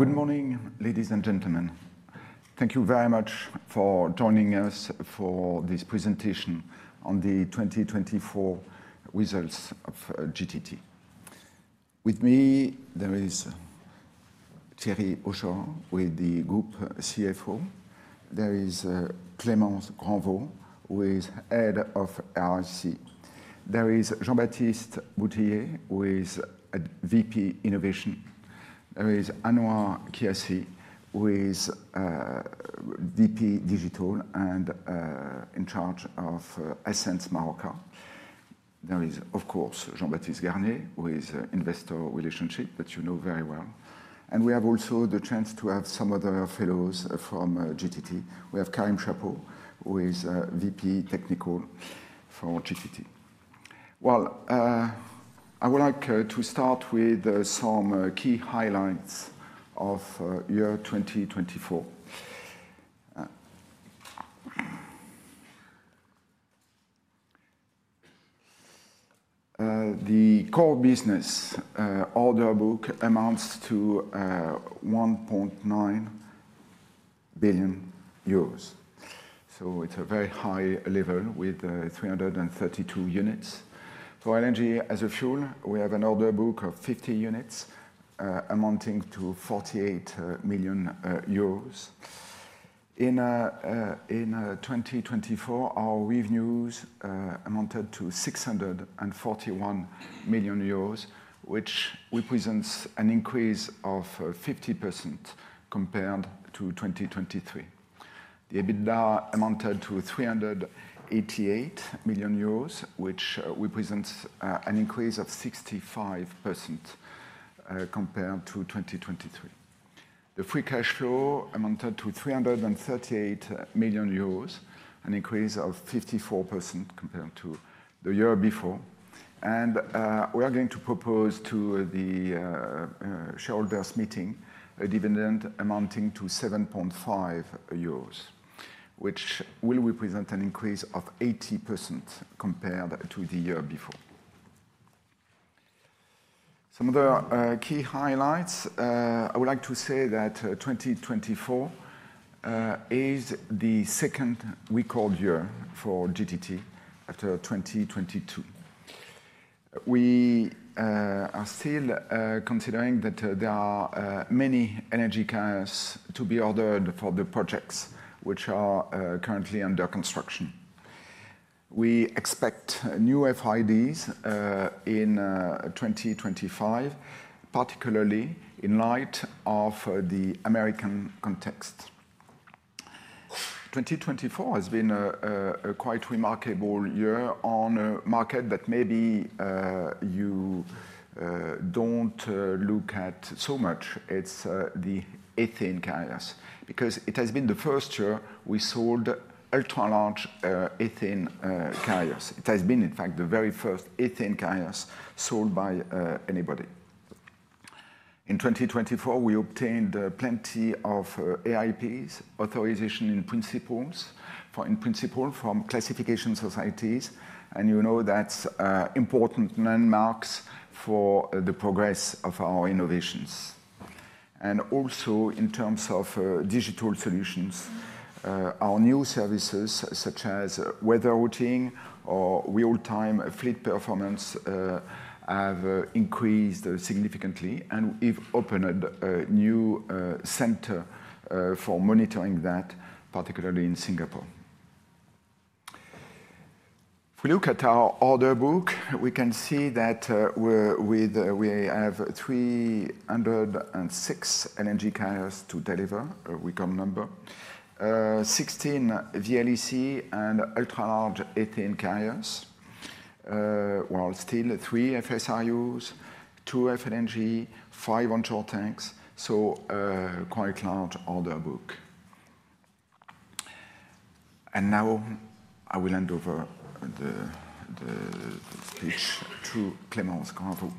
Good morning, ladies and gentlemen. Thank you very much for joining us for this presentation on the 2024 results of GTT. With me, there is Thierry Hochoa, Group CFO. There is Clémence Granvaux, Head of R&C. There is Jean-Baptiste Boutillier, VP Innovation. There is Anouar Kiassi, VP Digital and in charge of Ascenz Marorka. There is, of course, Jean-Baptiste Garnier, Investor Relations that you know very well. And we have also the chance to have some other fellows from GTT. We have Karim Chapot who is VP Technical for GTT. I would like to start with some key highlights of year 2024. The core business order book amounts to 1.9 billion euros. So it's a very high level with 332 units. For energy as a fuel, we have an order book of 50 units amounting to 48 million euros. In 2024, our revenues amounted to 641 million euros, which represents an increase of 50% compared to 2023. The EBITDA amounted to 388 million euros, which represents an increase of 65% compared to 2023. The free cash flow amounted to 338 million euros, an increase of 54% compared to the year before. And we are going to propose to the shareholders' meeting a dividend amounting to 7.5 euros, which will represent an increase of 80% compared to the year before. Some other key highlights. I would like to say that 2024 is the second record year for GTT after 2022. We are still considering that there are many LNG carriers to be ordered for the projects which are currently under construction. We expect new FIDs in 2025, particularly in light of the American context. 2024 has been a quite remarkable year on a market that maybe you don't look at so much. It's the ethane carriers, because it has been the first year we sold ultra-large ethane carriers. It has been, in fact, the very first ethane carriers sold by anybody. In 2024, we obtained plenty of AIPs, Approval in Principle, from classification societies. You know that's important milestones for the progress of our innovations. Also, in terms of digital solutions, our new services, such as weather routing or real-time fleet performance, have increased significantly and have opened a new center for monitoring that, particularly in Singapore. If we look at our order book, we can see that we have 306 LNG carriers to deliver, a record number, 16 VLEC and ultra-large ethane carriers. Still 3 FSRUs, 2 FLNG, 5 onshore tanks. So quite a large order book. Now I will hand over the speech to Clémence Granvaux.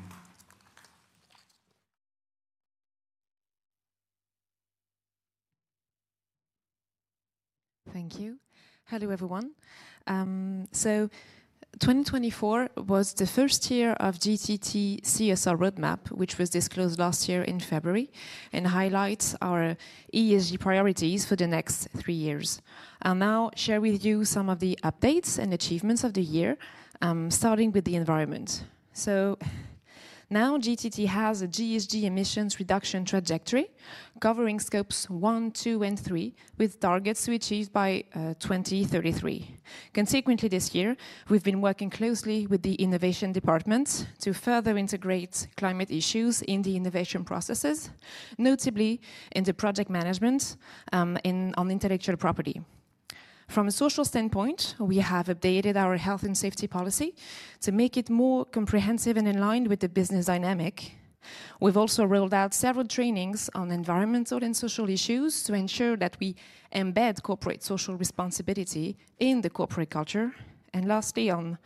Thank you. Hello, everyone. 2024 was the first year of GTT CSR roadmap, which was disclosed last year in February and highlights our ESG priorities for the next three years. I'll now share with you some of the updates and achievements of the year, starting with the environment. Now GTT has a GHG emissions reduction trajectory covering scopes one, two, and three, with targets to be achieved by 2033. Consequently, this year, we've been working closely with the Innovation Department to further integrate climate issues in the innovation processes, notably in the project management on intellectual property. From a social standpoint, we have updated our health and safety policy to make it more comprehensive and in line with the business dynamics. We've also rolled out several trainings on environmental and social issues to ensure that we embed corporate social responsibility in the corporate culture. And lastly, on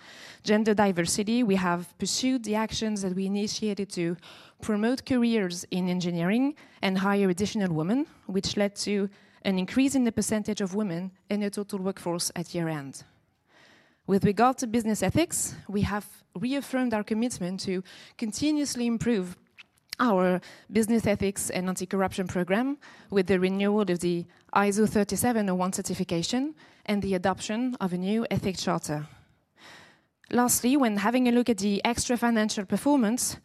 gender diversity, we have pursued the actions that we initiated to promote careers in engineering and hire additional women, which led to an increase in the percentage of women in the total workforce at year-end. With regard to business ethics, we have reaffirmed our commitment to continuously improve our business ethics and anti-corruption program with the renewal of the ISO 37001 certification and the adoption of a new ethics charter. Lastly, when having a look at the extra financial performance,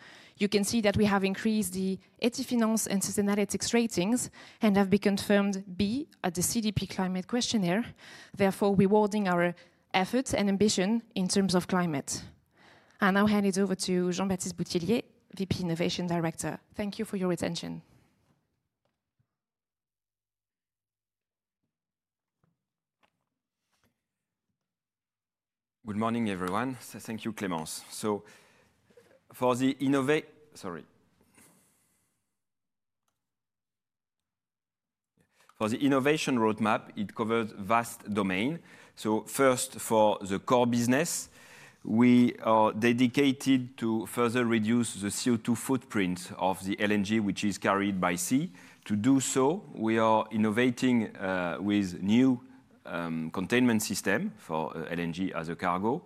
you can see that we have increased the EthiFinance and Sustainalytics ratings and have been confirmed B at the CDP Climate Questionnaire, therefore rewarding our efforts and ambition in terms of climate. I now hand it over to Jean-Baptiste Boutillier, VP Innovation. Thank you for your attention. Good morning, everyone. Thank you, Clémence. So for the innovation roadmap, it covers vast domains. So first, for the core business, we are dedicated to further reduce the CO2 footprint of the LNG, which is carried by sea. To do so, we are innovating with new containment systems for LNG as a cargo.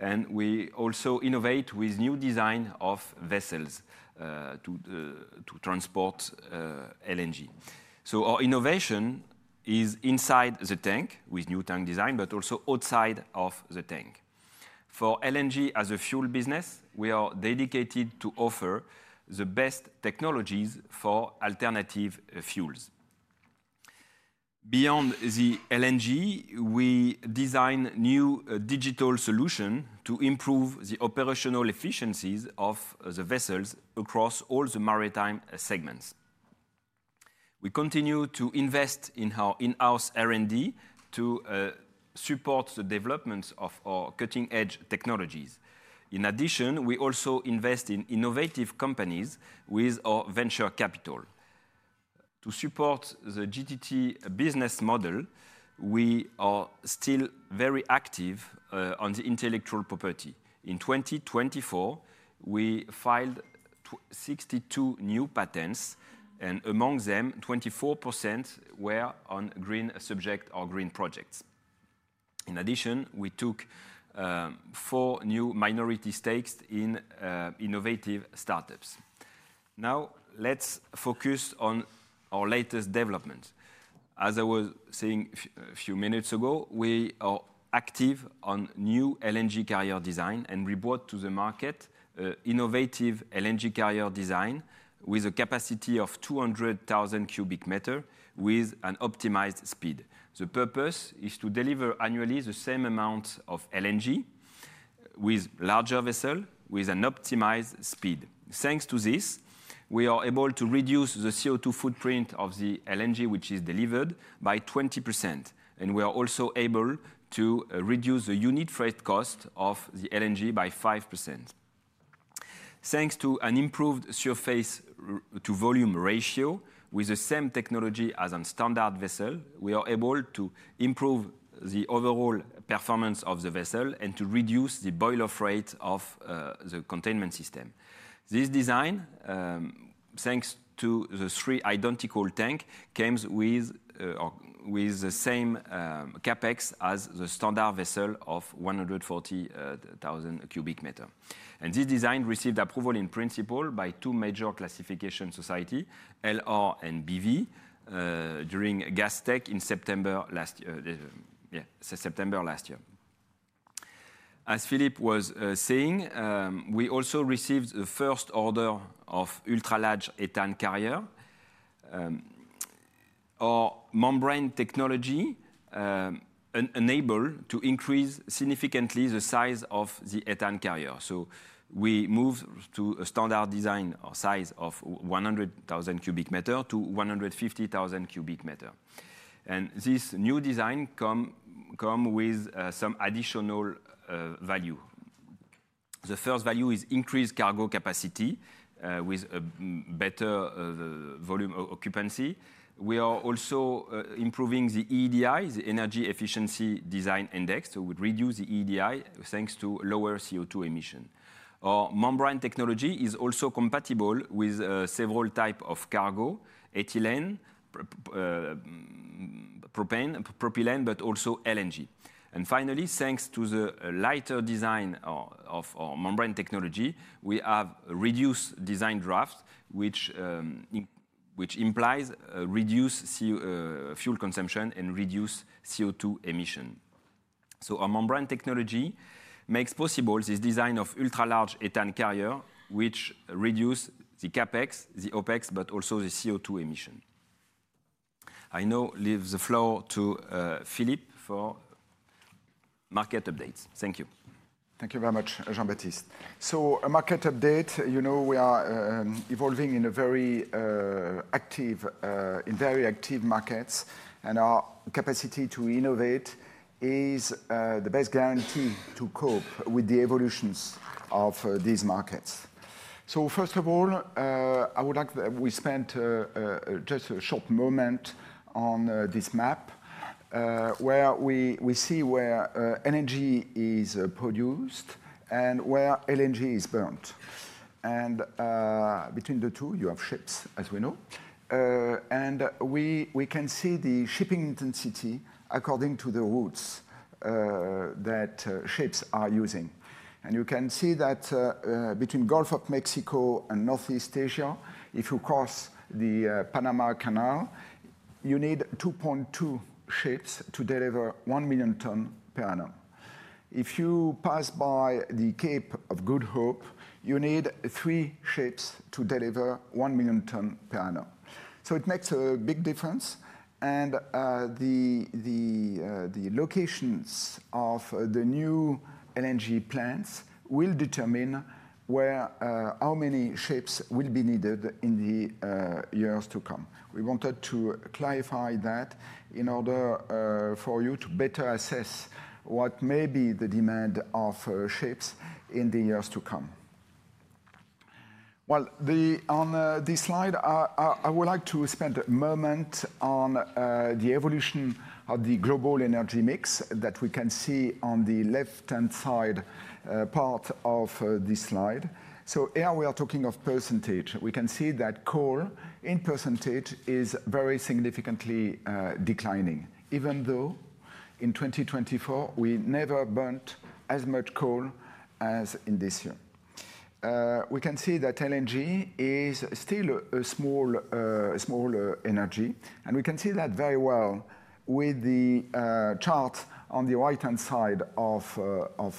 And we also innovate with new designs of vessels to transport LNG. So our innovation is inside the tank with new tank design, but also outside of the tank. For LNG as a fuel business, we are dedicated to offer the best technologies for alternative fuels. Beyond the LNG, we design new digital solutions to improve the operational efficiencies of the vessels across all the maritime segments. We continue to invest in our in-house R&D to support the development of our cutting-edge technologies. In addition, we also invest in innovative companies with our venture capital. To support the GTT business model, we are still very active on the intellectual property. In 2024, we filed 62 new patents, and among them, 24% were on green subjects or green projects. In addition, we took four new minority stakes in innovative startups. Now, let's focus on our latest developments. As I was saying a few minutes ago, we are active on new LNG carrier design and we brought to the market innovative LNG carrier design with a capacity of 200,000 cubic meters with an optimized speed. The purpose is to deliver annually the same amount of LNG with larger vessels with an optimized speed. Thanks to this, we are able to reduce the CO2 footprint of the LNG which is delivered by 20%, and we are also able to reduce the unit freight cost of the LNG by 5%. Thanks to an improved surface-to-volume ratio with the same technology as on standard vessels, we are able to improve the overall performance of the vessel and to reduce the boil-off rate of the containment system. This design, thanks to the three identical tanks, comes with the same CAPEX as the standard vessel of 140,000 cubic meters. And this design received approval in principle by two major classification societies, LR and BV, during Gastech in September last year. As Philippe was saying, we also received the first order of ultra-large ethane carriers. Our membrane technology enables us to increase significantly the size of the ethane carriers. So we moved to a standard design size of 100,000-150,000 cubic meters. And this new design comes with some additional value. The first value is increased cargo capacity with better volume occupancy. We are also improving the EEDI, the Energy Efficiency Design Index, so we reduce the EEDI thanks to lower CO2 emissions. Our membrane technology is also compatible with several types of cargo: ethylene, propylene, but also LNG. And finally, thanks to the lighter design of our membrane technology, we have reduced design draft, which implies reduced fuel consumption and reduced CO2 emissions. So our membrane technology makes possible this design of ultra-large ethane carriers, which reduces the CapEx, the OpEx, but also the CO2 emissions. I now leave the floor to Philippe for market updates. Thank you. Thank you very much, Jean-Baptiste. So a market update. You know we are evolving in very active markets, and our capacity to innovate is the best guarantee to cope with the evolutions of these markets. So first of all, I would like that we spend just a short moment on this map where we see where energy is produced and where LNG is burnt. And between the two, you have ships, as we know. And we can see the shipping intensity according to the routes that ships are using. And you can see that between the Gulf of Mexico and Northeast Asia, if you cross the Panama Canal, you need 2.2 ships to deliver 1 million tons per annum. If you pass by the Cape of Good Hope, you need three ships to deliver 1 million tons per annum. So it makes a big difference. The locations of the new LNG plants will determine how many ships will be needed in the years to come. We wanted to clarify that in order for you to better assess what may be the demand of ships in the years to come. On this slide, I would like to spend a moment on the evolution of the global energy mix that we can see on the left-hand side part of this slide. Here we are talking of percentage. We can see that coal in percentage is very significantly declining, even though in 2024, we never burned as much coal as in this year. We can see that LNG is still a smaller energy. We can see that very well with the chart on the right-hand side of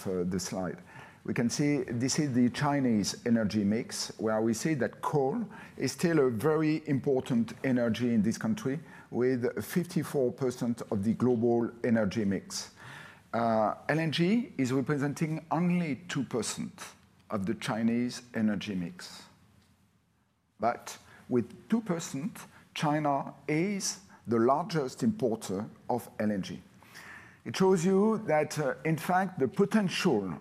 the slide. We can see this is the Chinese energy mix, where we see that coal is still a very important energy in this country, with 54% of the global energy mix. LNG is representing only 2% of the Chinese energy mix. But with 2%, China is the largest importer of LNG. It shows you that, in fact, the potential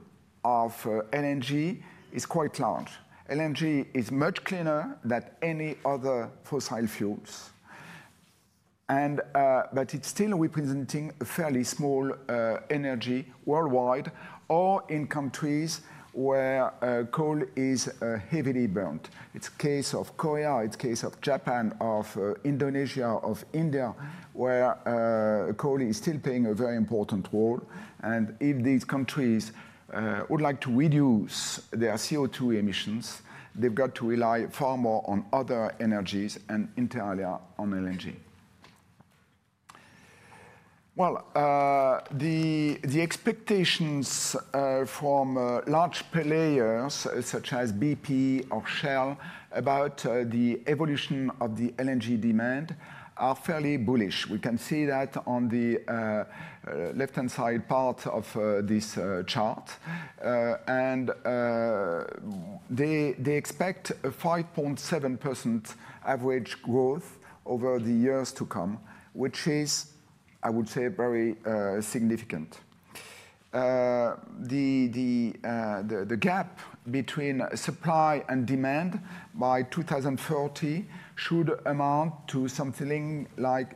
of LNG is quite large. LNG is much cleaner than any other fossil fuels. But it's still representing a fairly small energy worldwide or in countries where coal is heavily burnt. It's the case of Korea, it's the case of Japan, of Indonesia, of India, where coal is still playing a very important role. And if these countries would like to reduce their CO2 emissions, they've got to rely far more on other energies and entirely on LNG. The expectations from large players such as BP or Shell about the evolution of the LNG demand are fairly bullish. We can see that on the left-hand side part of this chart. They expect a 5.7% average growth over the years to come, which is, I would say, very significant. The gap between supply and demand by 2030 should amount to something like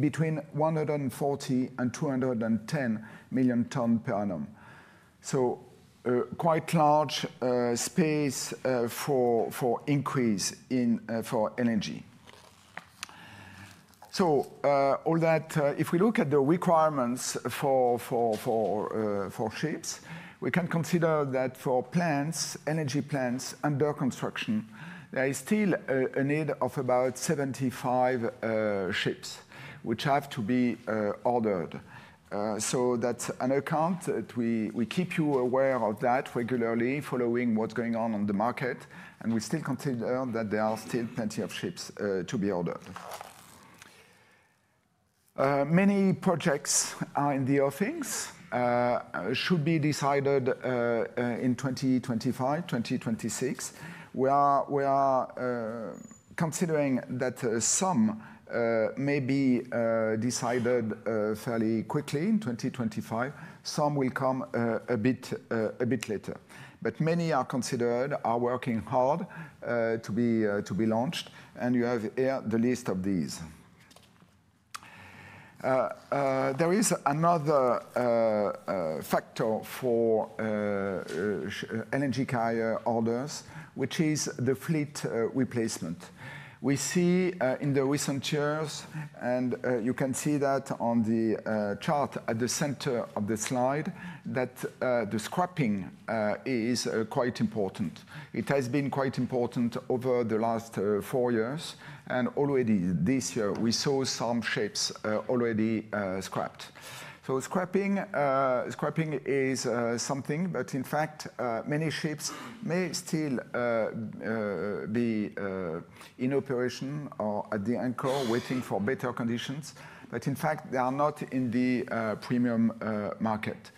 between 140 and 210 million tons per annum. Quite a large space for increase in energy. If we look at the requirements for ships, we can consider that for plants, energy plants under construction, there is still a need of about 75 ships, which have to be ordered. That's an account that we keep you aware of regularly, following what's going on the market. We still consider that there are still plenty of ships to be ordered. Many projects are in the offings and should be decided in 2025, 2026. We are considering that some may be decided fairly quickly in 2025. Some will come a bit later, but many are considered and are working hard to be launched, and you have here the list of these. There is another factor for LNG carrier orders, which is the fleet replacement. We see in the recent years, and you can see that on the chart at the center of the slide, that the scrapping is quite important. It has been quite important over the last four years, and already this year, we saw some ships already scrapped, so scrapping is something, but in fact, many ships may still be in operation or at the anchor, waiting for better conditions, but in fact, they are not in the premium market.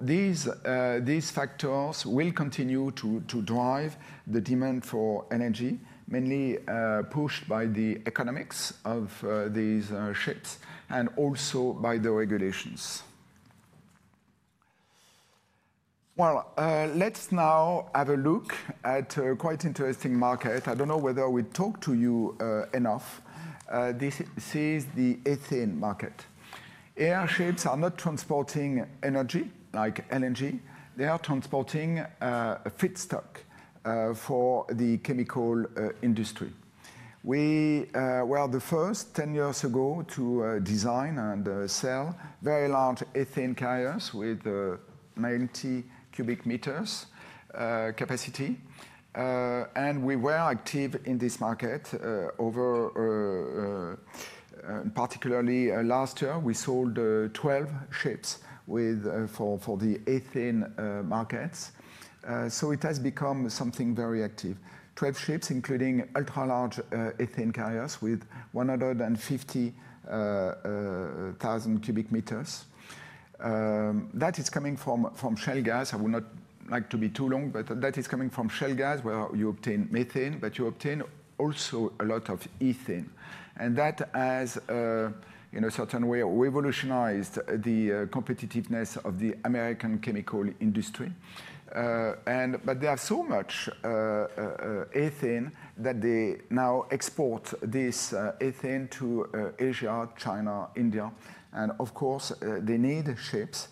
These factors will continue to drive the demand for energy, mainly pushed by the economics of these ships and also by the regulations. Let's now have a look at a quite interesting market. I don't know whether we talked to you enough. This is the ethane market. Ethane ships are not transporting energy like LNG. They are transporting feedstock for the chemical industry. We were the first, 10 years ago, to design and sell very large ethane carriers with 90,000 cubic meters capacity. And we were active in this market over, particularly last year, we sold 12 ships for the ethane markets. It has become something very active. 12 ships, including ultra-large ethane carriers with 150,000 cubic meters. That is coming from shale gas. I would not like to be too long, but that is coming from Shell Gas, where you obtain methane, but you obtain also a lot of ethane, and that has, in a certain way, revolutionized the competitiveness of the American chemical industry, but there is so much ethane that they now export this ethane to Asia, China, India, and of course, they need ships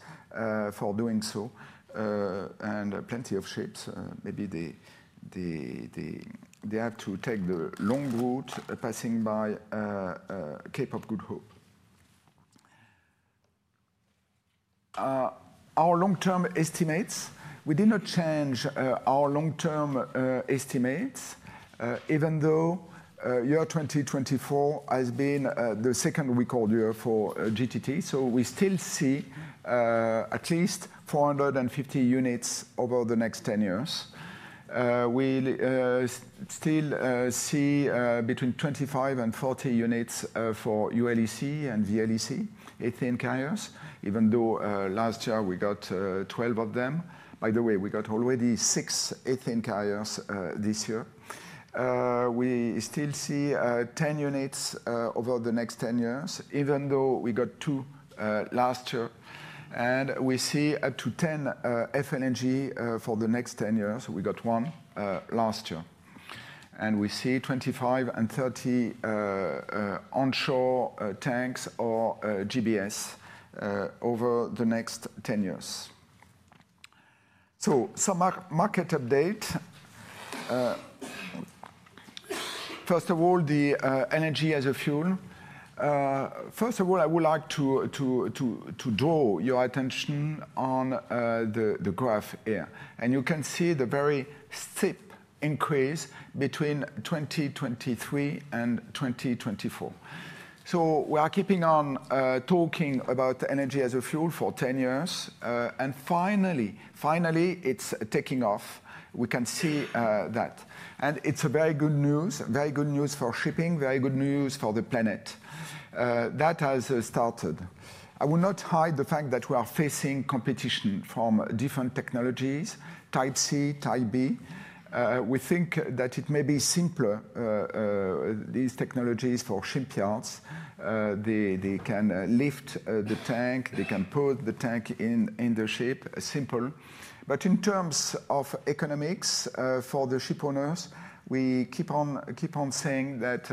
for doing so, and plenty of ships. Maybe they have to take the long route passing by Cape of Good Hope. Our long-term estimates, we did not change our long-term estimates, even though year 2024 has been the second record year for GTT, so we still see at least 450 units over the next 10 years. We still see between 25 and 40 units for ULEC and VLEC ethane carriers, even though last year we got 12 of them. By the way, we got already six ethane carriers this year. We still see 10 units over the next 10 years, even though we got two last year and we see up to 10 FLNG for the next 10 years. We got one last year and we see 25 and 30 onshore tanks or GBS over the next 10 years, so some market updates. First of all, the LNG as a fuel. First of all, I would like to draw your attention on the graph here, and you can see the very steep increase between 2023 and 2024, so we are keeping on talking about LNG as a fuel for 10 years, and finally, finally, it's taking off. We can see that, and it's very good news, very good news for shipping, very good news for the planet. That has started. I will not hide the fact that we are facing competition from different technologies, Type C, Type B. We think that it may be simpler, these technologies for shipyards. They can lift the tank. They can put the tank in the ship. Simple. But in terms of economics for the shipowners, we keep on saying that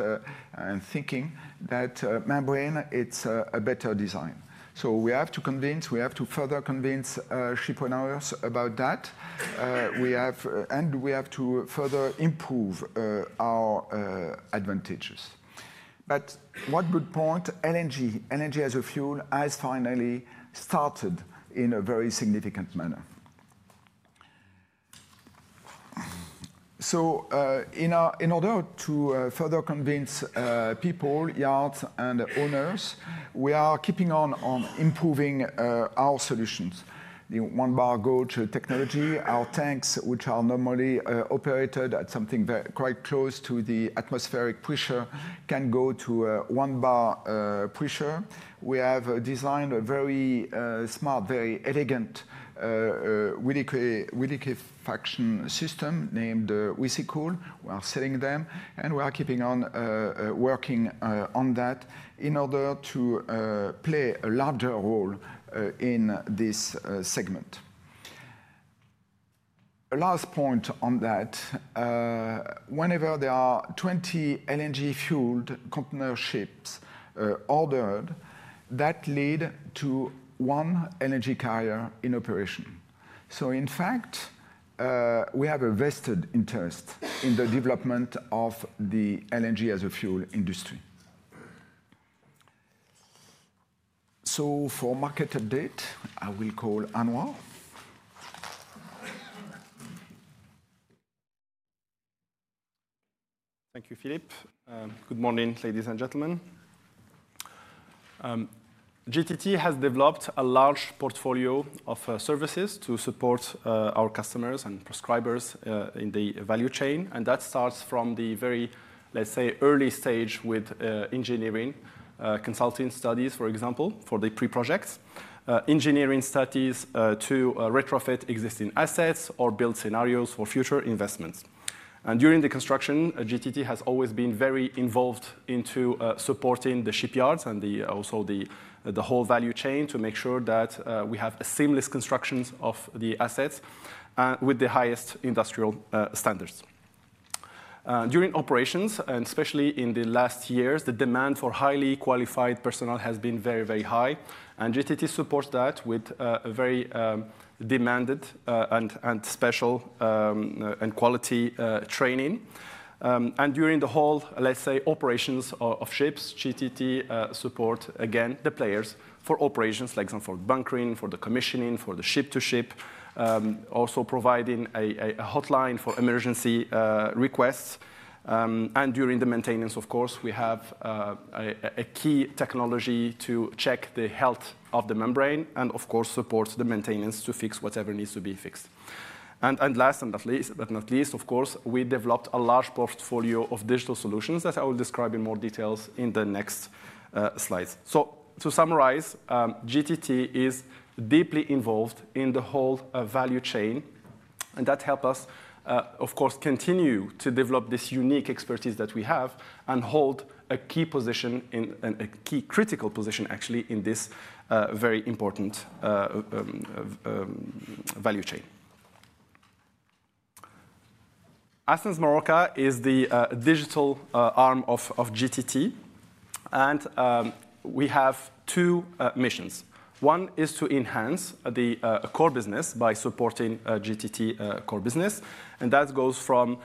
and thinking that membrane, it's a better design. So we have to convince, we have to further convince shipowners about that. And we have to further improve our advantages. But one good point, LNG as fuel has finally started in a very significant manner. So in order to further convince people, shipowners, we are keeping on improving our solutions. The one-bar gauge technology, our tanks, which are normally operated at something quite close to the atmospheric pressure, can go to one-bar pressure. We have designed a very smart, very elegant reliquefaction system named Recycool. We are selling them. And we are keeping on working on that in order to play a larger role in this segment. Last point on that. Whenever there are 20 LNG-fueled container ships ordered, that leads to one LNG carrier in operation. So in fact, we have a vested interest in the development of the LNG as a fuel industry. So for market update, I will call Anouar. Thank you, Philippe. Good morning, ladies and gentlemen. GTT has developed a large portfolio of services to support our customers and prescribers in the value chain. And that starts from the very, let's say, early stage with engineering, consulting studies, for example, for the pre-projects, engineering studies to retrofit existing assets or build scenarios for future investments. During the construction, GTT has always been very involved in supporting the shipyards and also the whole value chain to make sure that we have seamless constructions of the assets with the highest industrial standards. During operations, and especially in the last years, the demand for highly qualified personnel has been very, very high. GTT supports that with very demanded and special and quality training. During the whole, let's say, operations of ships, GTT supports, again, the players for operations, for example, for the bunkering, for the commissioning, for the ship-to-ship, also providing a hotline for emergency requests. During the maintenance, of course, we have a key technology to check the health of the membrane and, of course, support the maintenance to fix whatever needs to be fixed. And last but not least, of course, we developed a large portfolio of digital solutions that I will describe in more details in the next slides. So to summarize, GTT is deeply involved in the whole value chain. And that helps us, of course, continue to develop this unique expertise that we have and hold a key position and a key critical position, actually, in this very important value chain. Ascenz Marorka is the digital arm of GTT. And we have two missions. One is to enhance the core business by supporting GTT core business. And that goes from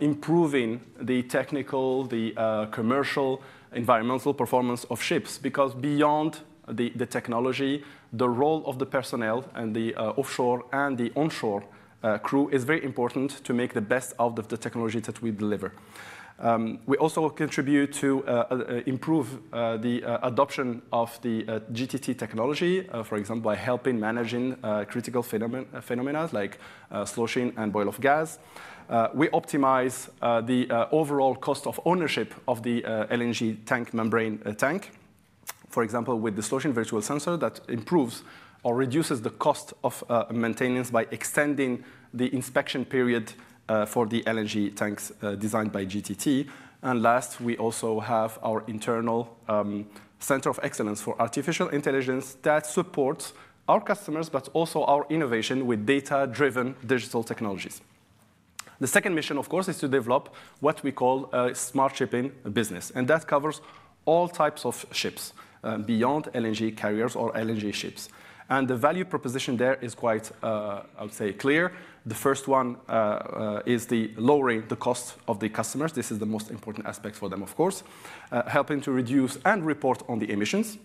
improving the technical, the commercial, environmental performance of ships. Because beyond the technology, the role of the personnel and the offshore and the onshore crew is very important to make the best out of the technology that we deliver. We also contribute to improve the adoption of the GTT technology, for example, by helping manage critical phenomena like sloshing and boil-off gas. We optimize the overall cost of ownership of the LNG tank membrane tank, for example, with the Sloshing Virtual Sensor that improves or reduces the cost of maintenance by extending the inspection period for the LNG tanks designed by GTT. And last, we also have our internal center of excellence for artificial intelligence that supports our customers, but also our innovation with data-driven digital technologies. The second mission, of course, is to develop what we call a smart shipping business. And that covers all types of ships beyond LNG carriers or LNG ships. And the value proposition there is quite, I would say, clear. The first one is the lowering of the costs of the customers. This is the most important aspect for them, of course, helping to reduce and report on the emissions,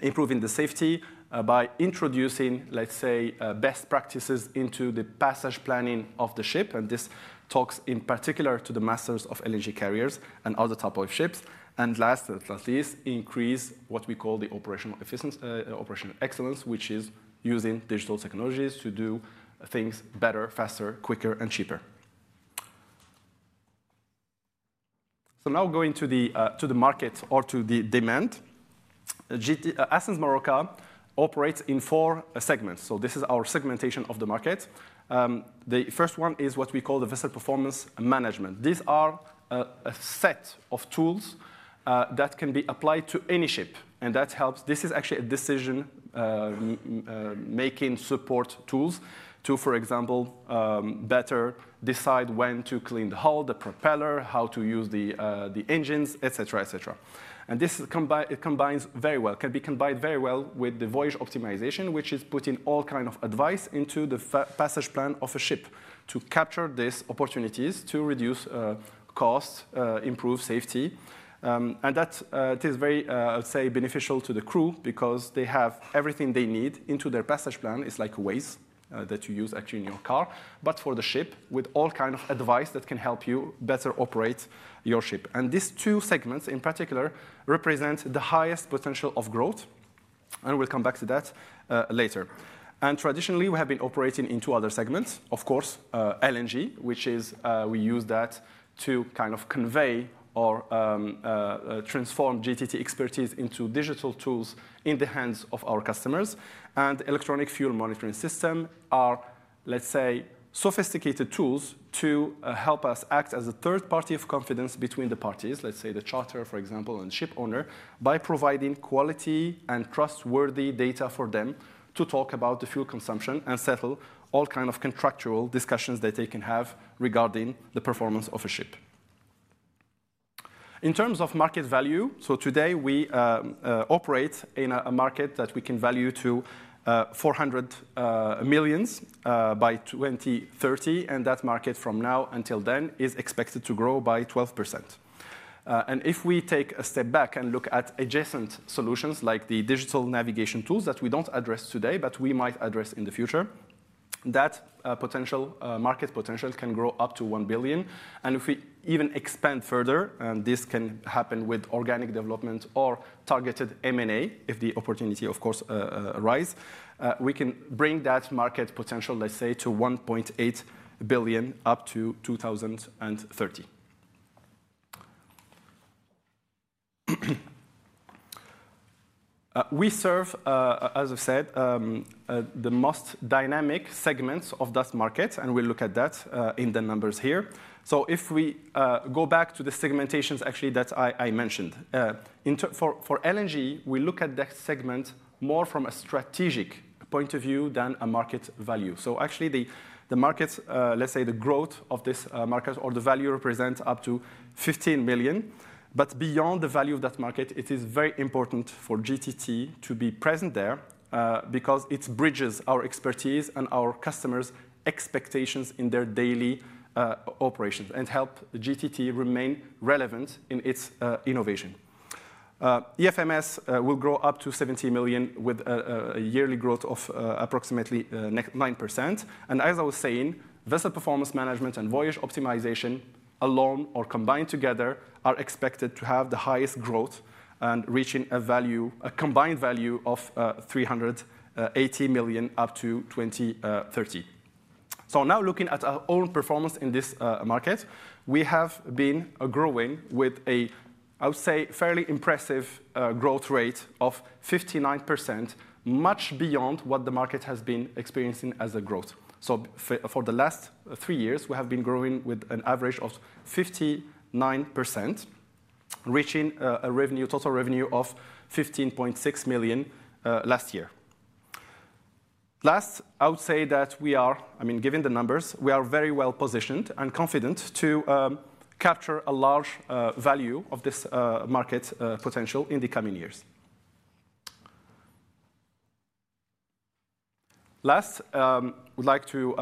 improving the safety by introducing, let's say, best practices into the passage planning of the ship. And this talks in particular to the masters of LNG carriers and other types of ships. And last but not least, increase what we call the operational excellence, which is using digital technologies to do things better, faster, quicker, and cheaper. So now going to the market or to the demand, Ascenz Marorka operates in four segments. So this is our segmentation of the market. The first one is what we call the vessel performance management. These are a set of tools that can be applied to any ship. This is actually a decision-making support tools to, for example, better decide when to clean the hull, the propeller, how to use the engines, et cetera, et cetera. It combines very well, can be combined very well with the voyage optimization, which is putting all kinds of advice into the passage plan of a ship to capture these opportunities to reduce costs, improve safety. That is very, I would say, beneficial to the crew because they have everything they need into their passage plan. It's like Waze that you use actually in your car, but for the ship with all kinds of advice that can help you better operate your ship. These two segments in particular represent the highest potential of growth. We'll come back to that later. Traditionally, we have been operating in two other segments, of course, LNG, which is, we use that to kind of convey or transform GTT expertise into digital tools in the hands of our customers. Electronic fuel monitoring systems are, let's say, sophisticated tools to help us act as a third party of confidence between the parties, let's say the charter, for example, and the shipowner, by providing quality and trustworthy data for them to talk about the fuel consumption and settle all kinds of contractual discussions that they can have regarding the performance of a ship. In terms of market value, so today we operate in a market that we can value to 400 million by 2030. That market from now until then is expected to grow by 12%. And if we take a step back and look at adjacent solutions like the digital navigation tools that we don't address today, but we might address in the future, that market potential can grow up to one billion. And if we even expand further, and this can happen with organic development or targeted M&A if the opportunity, of course, arises, we can bring that market potential, let's say, to 1.8 billion up to 2030. We serve, as I've said, the most dynamic segments of that market. And we'll look at that in the numbers here. So if we go back to the segmentations actually that I mentioned, for LNG, we look at that segment more from a strategic point of view than a market value. So actually, the market, let's say the growth of this market or the value represents up to 15 million. Beyond the value of that market, it is very important for GTT to be present there because it bridges our expertise and our customers' expectations in their daily operations and helps GTT remain relevant in its innovation. EFMS will grow up to 70 million with a yearly growth of approximately 9%. As I was saying, vessel performance management and voyage optimization alone or combined together are expected to have the highest growth and reach a combined value of 380 million up to 2030. Now looking at our own performance in this market, we have been growing with a, I would say, fairly impressive growth rate of 59%, much beyond what the market has been experiencing as a growth. For the last three years, we have been growing with an average of 59%, reaching a total revenue of 15.6 million last year. Last, I would say that we are, I mean, given the numbers, we are very well positioned and confident to capture a large value of this market potential in the coming years. Last, I would like to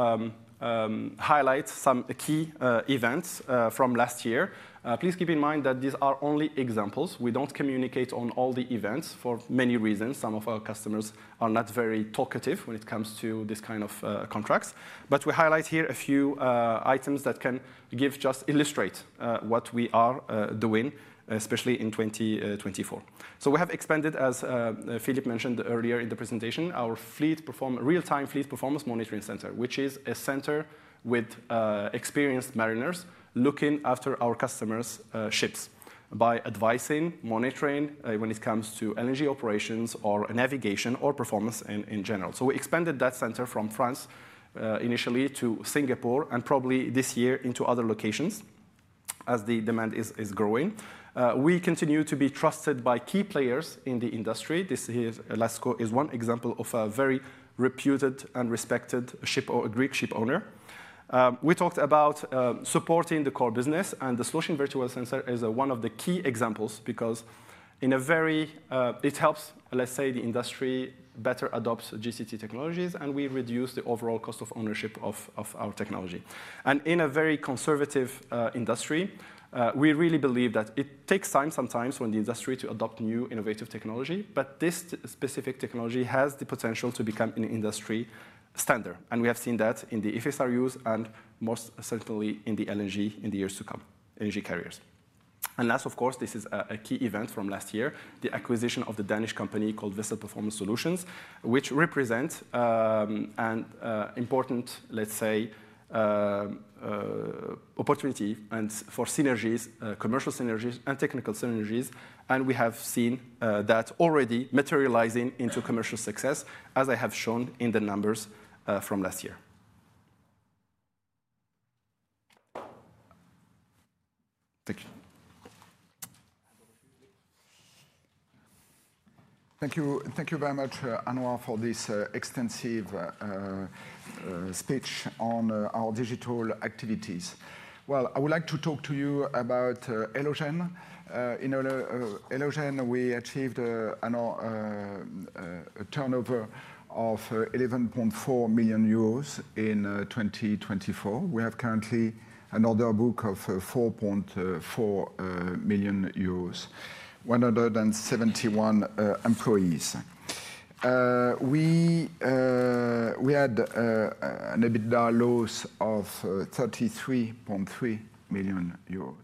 highlight some key events from last year. Please keep in mind that these are only examples. We don't communicate on all the events for many reasons. Some of our customers are not very talkative when it comes to this kind of contracts. But we highlight here a few items that can just illustrate what we are doing, especially in 2024. So we have expanded, as Philippe mentioned earlier in the presentation, our real-time fleet performance monitoring center, which is a center with experienced mariners looking after our customers' ships by advising, monitoring when it comes to LNG operations or navigation or performance in general. We expanded that center from France initially to Singapore and probably this year into other locations as the demand is growing. We continue to be trusted by key players in the industry. This here is one example of a very reputed and respected Greek shipowner. We talked about supporting the core business. The Sloshing Virtual Sensor is one of the key examples because in a way it helps, let's say, the industry better adopt GTT technologies. We reduce the overall cost of ownership of our technology. In a very conservative industry, we really believe that it takes time sometimes for the industry to adopt new innovative technology. This specific technology has the potential to become an industry standard. We have seen that in the FSRUs and most certainly in the LNG in the years to come, LNG carriers. And last, of course, this is a key event from last year, the acquisition of the Danish company called Vessel Performance Solutions, which represents an important, let's say, opportunity for synergies, commercial synergies, and technical synergies. And we have seen that already materializing into commercial success, as I have shown in the numbers from last year. Thank you. Thank you very much, Anouar, for this extensive speech on our digital activities. Well, I would like to talk to you about Elogen. In Elogen, we achieved a turnover of 11.4 million euros in 2024. We have currently an order book of 4.4 million EUR, 171 employees. We had an EBITDA loss of 33.3 million EUR.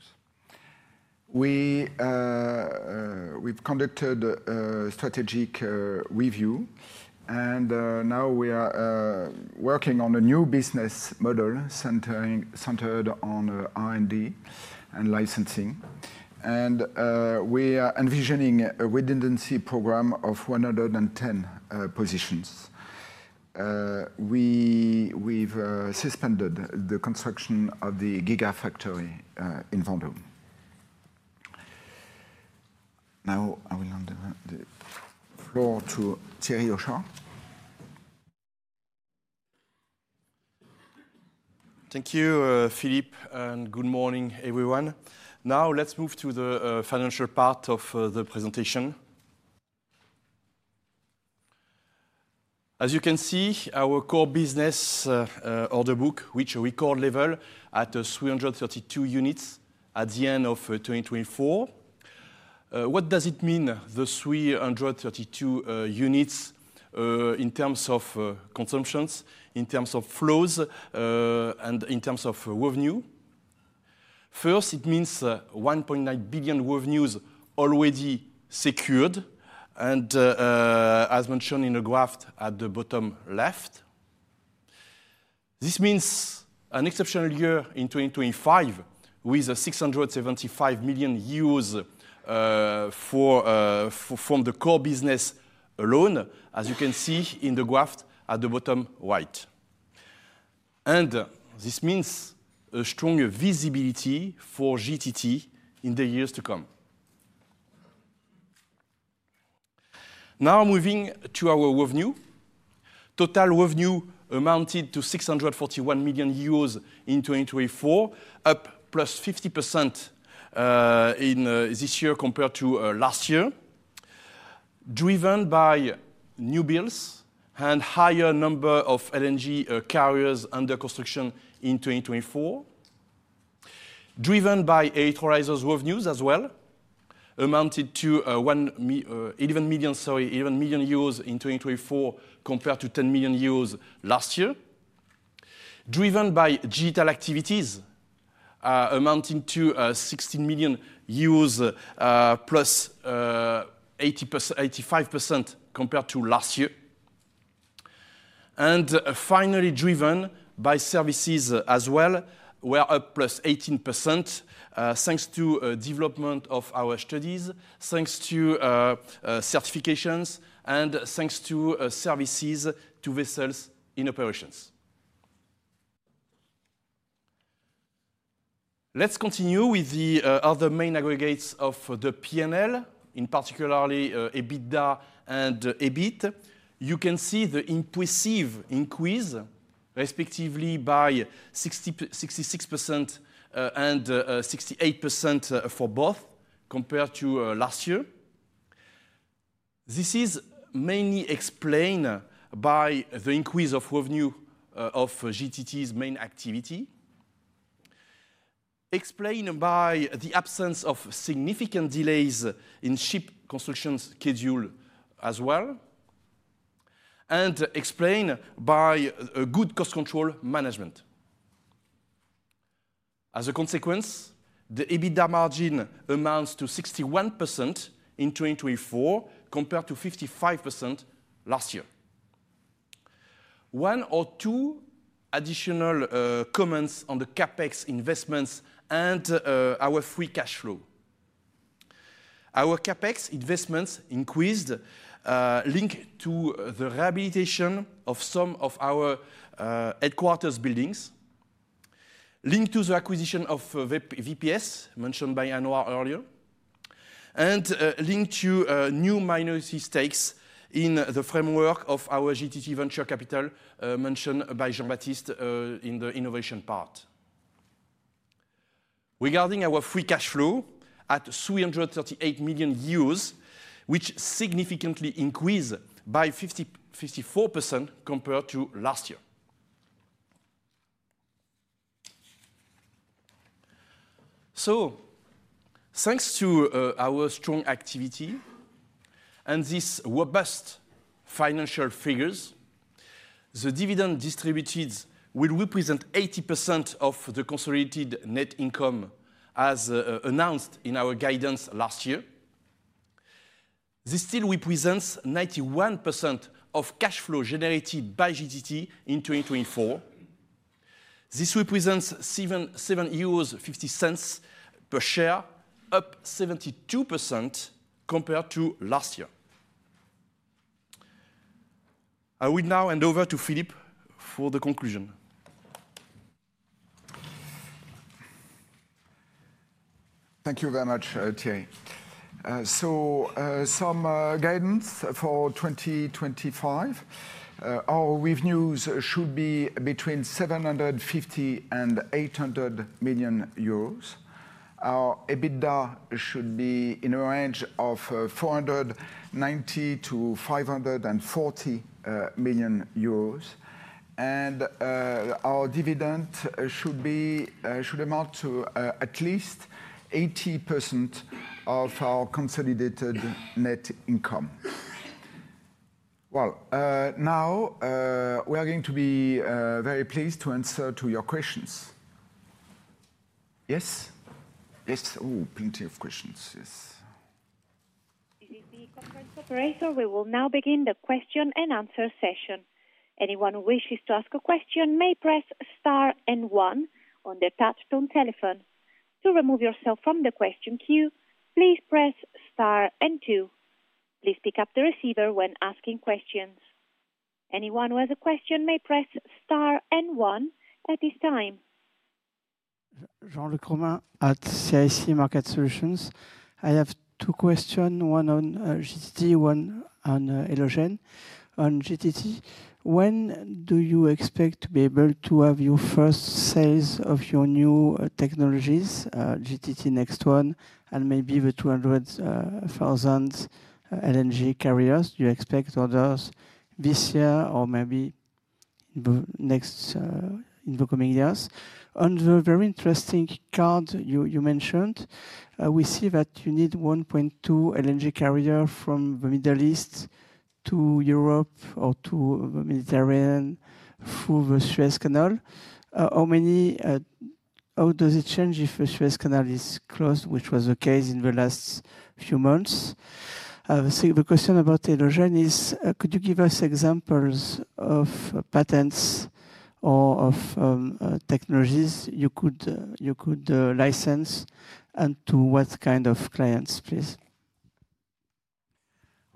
We've conducted a strategic review. And now we are working on a new business model centered on R&D and licensing. And we are envisioning a redundancy program of 110 positions. We've suspended the construction of the Gigafactory in Vendôme. Now I will hand the floor to Thierry Hochoa. Thank you, Philippe, and good morning, everyone. Now let's move to the financial part of the presentation. As you can see, our core business order book, which we called level at 332 units at the end of 2024. What does it mean, the 332 units in terms of consumptions, in terms of flows, and in terms of revenue? First, it means 1.9 billion revenues already secured. And as mentioned in the graph at the bottom left, this means an exceptional year in 2025 with 675 million euros from the core business alone, as you can see in the graph at the bottom right. And this means a strong visibility for GTT in the years to come. Now moving to our revenue. Total revenue amounted to 641 million euros in 2024, up plus 50% this year compared to last year, driven by new builds and higher number of LNG carriers under construction in 2024, driven by Elogen's revenues as well, amounted to 11 million euros in 2024 compared to 10 million euros last year, driven by digital activities amounting to EUR 16 million plus 85% compared to last year. And finally, driven by services as well, we're up plus 18% thanks to development of our studies, thanks to certifications, and thanks to services to vessels in operations. Let's continue with the other main aggregates of the P&L, in particular EBITDA and EBIT. You can see the impressive increase, respectively by 66% and 68% for both compared to last year. This is mainly explained by the increase of revenue of GTT's main activity, explained by the absence of significant delays in ship construction schedule as well, and explained by good cost control management. As a consequence, the EBITDA margin amounts to 61% in 2024 compared to 55% last year. One or two additional comments on the CapEx investments and our free cash flow. Our CapEx investments increased linked to the rehabilitation of some of our headquarters buildings, linked to the acquisition of VPS mentioned by Anouar earlier, and linked to new minority stakes in the framework of our GTT venture capital mentioned by Jean-Baptiste in the innovation part. Regarding our free cash flow at 338 million euros, which significantly increased by 54% compared to last year. Thanks to our strong activity and these robust financial figures, the dividend distributed will represent 80% of the consolidated net income as announced in our guidance last year. This still represents 91% of cash flow generated by GTT in 2024. This represents 7.50 euros per share, up 72% compared to last year. I will now hand over to Philippe for the conclusion. Thank you very much, Thierry. Some guidance for 2025. Our revenues should be between 750 million and 800 million euros. Our EBITDA should be in a range of 490 million to 540 million euros. And our dividend should amount to at least 80% of our consolidated net income. Well, now we are going to be very pleased to answer your questions. Yes? Yes. Oh, plenty of questions. Yes. This is the conference operator. We will now begin the question and answer session. Anyone who wishes to ask a question may press star and one on the touch-tone telephone. To remove yourself from the question queue, please press star and two. Please pick up the receiver when asking questions. Anyone who has a question may press star and one at this time. Jean-Luc Romain at CIC Market Solutions. I have two questions, one on GTT, one on Elogen. On GTT, when do you expect to be able to have your first sales of your new technologies, GTT Next1 and maybe the 200,000 LNG carriers? Do you expect orders this year or maybe in the coming years? On the very interesting card you mentioned, we see that you need 1.2 LNG carriers from the Middle East to Europe or to the Mediterranean through the Suez Canal. How does it change if the Suez Canal is closed, which was the case in the last few months? The question about Elogen is, could you give us examples of patents or of technologies you could license and to what kind of clients, please?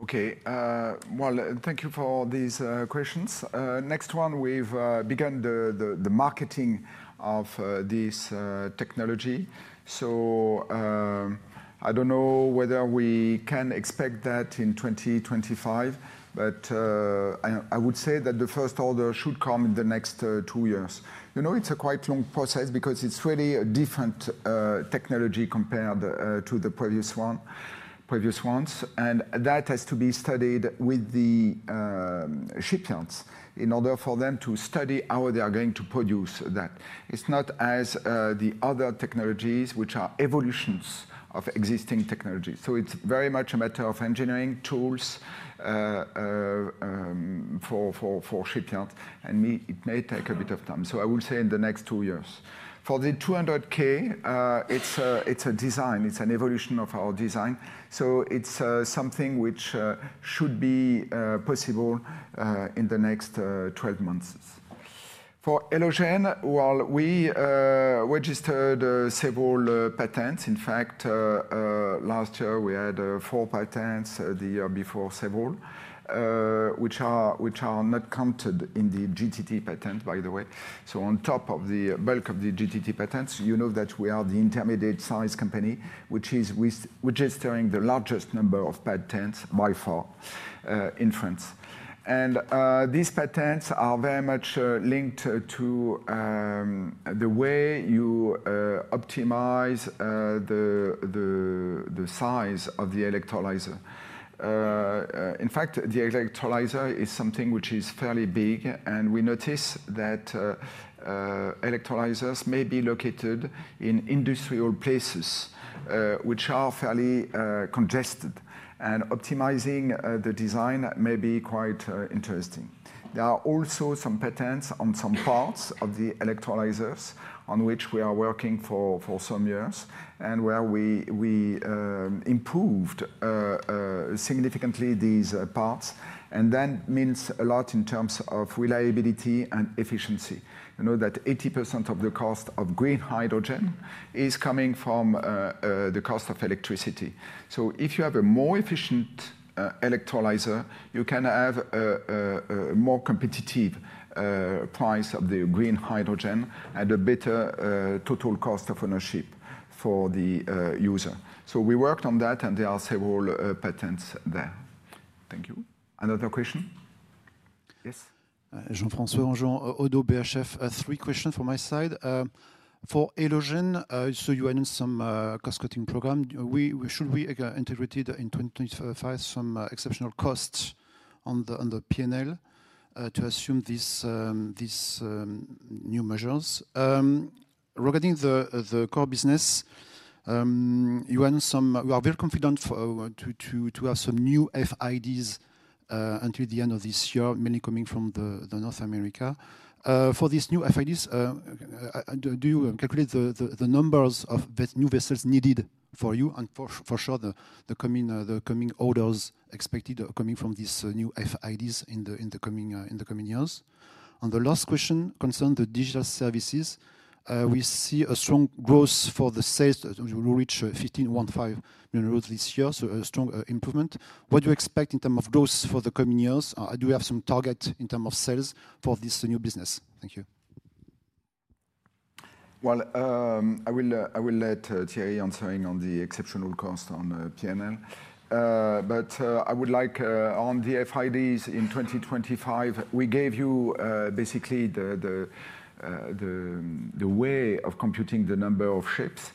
Okay. Well, thank you for these questions. Next one, we've begun the marketing of this technology. So I don't know whether we can expect that in 2025, but I would say that the first order should come in the next two years. It's a quite long process because it's really a different technology compared to the previous ones. And that has to be studied with the shipyards in order for them to study how they are going to produce that. It's not as the other technologies, which are evolutions of existing technologies. So it's very much a matter of engineering tools for shipyards. It may take a bit of time. I will say in the next two years. For the 200K, it's a design. It's an evolution of our design. It's something which should be possible in the next 12 months. For Elogen, well, we registered several patents. In fact, last year, we had four patents. The year before, several, which are not counted in the GTT patent, by the way. On top of the bulk of the GTT patents, you know that we are the intermediate-sized company, which is registering the largest number of patents by far in France. These patents are very much linked to the way you optimize the size of the electrolyzer. In fact, the electrolyzer is something which is fairly big. We notice that electrolyzers may be located in industrial places which are fairly congested. Optimizing the design may be quite interesting. There are also some patents on some parts of the electrolyzers on which we are working for some years and where we improved significantly these parts. And that means a lot in terms of reliability and efficiency. You know that 80% of the cost of green hydrogen is coming from the cost of electricity. So if you have a more efficient electrolyzer, you can have a more competitive price of the green hydrogen and a better total cost of ownership for the user. So we worked on that, and there are several patents there. Thank you. Another question? Yes. Jean-François, bonjour. Oddo BHF. Three questions from my side. For Elogen, so you announced some cost-cutting program. Should we integrate in 2025 some exceptional costs on the P&L to assume these new measures? Regarding the core business, you are very confident to have some new FIDs until the end of this year, mainly coming from North America. For these new FIDs, do you calculate the numbers of new vessels needed for you? And for sure, the coming orders expected coming from these new FIDs in the coming years. On the last question concerning the digital services, we see a strong growth for the sales. We will reach 15.5 million euros this year, so a strong improvement. What do you expect in terms of growth for the coming years? Do you have some target in terms of sales for this new business? Thank you. I will let Thierry answering on the exceptional cost on P&L. But I would like on the FIDs in 2025, we gave you basically the way of computing the number of ships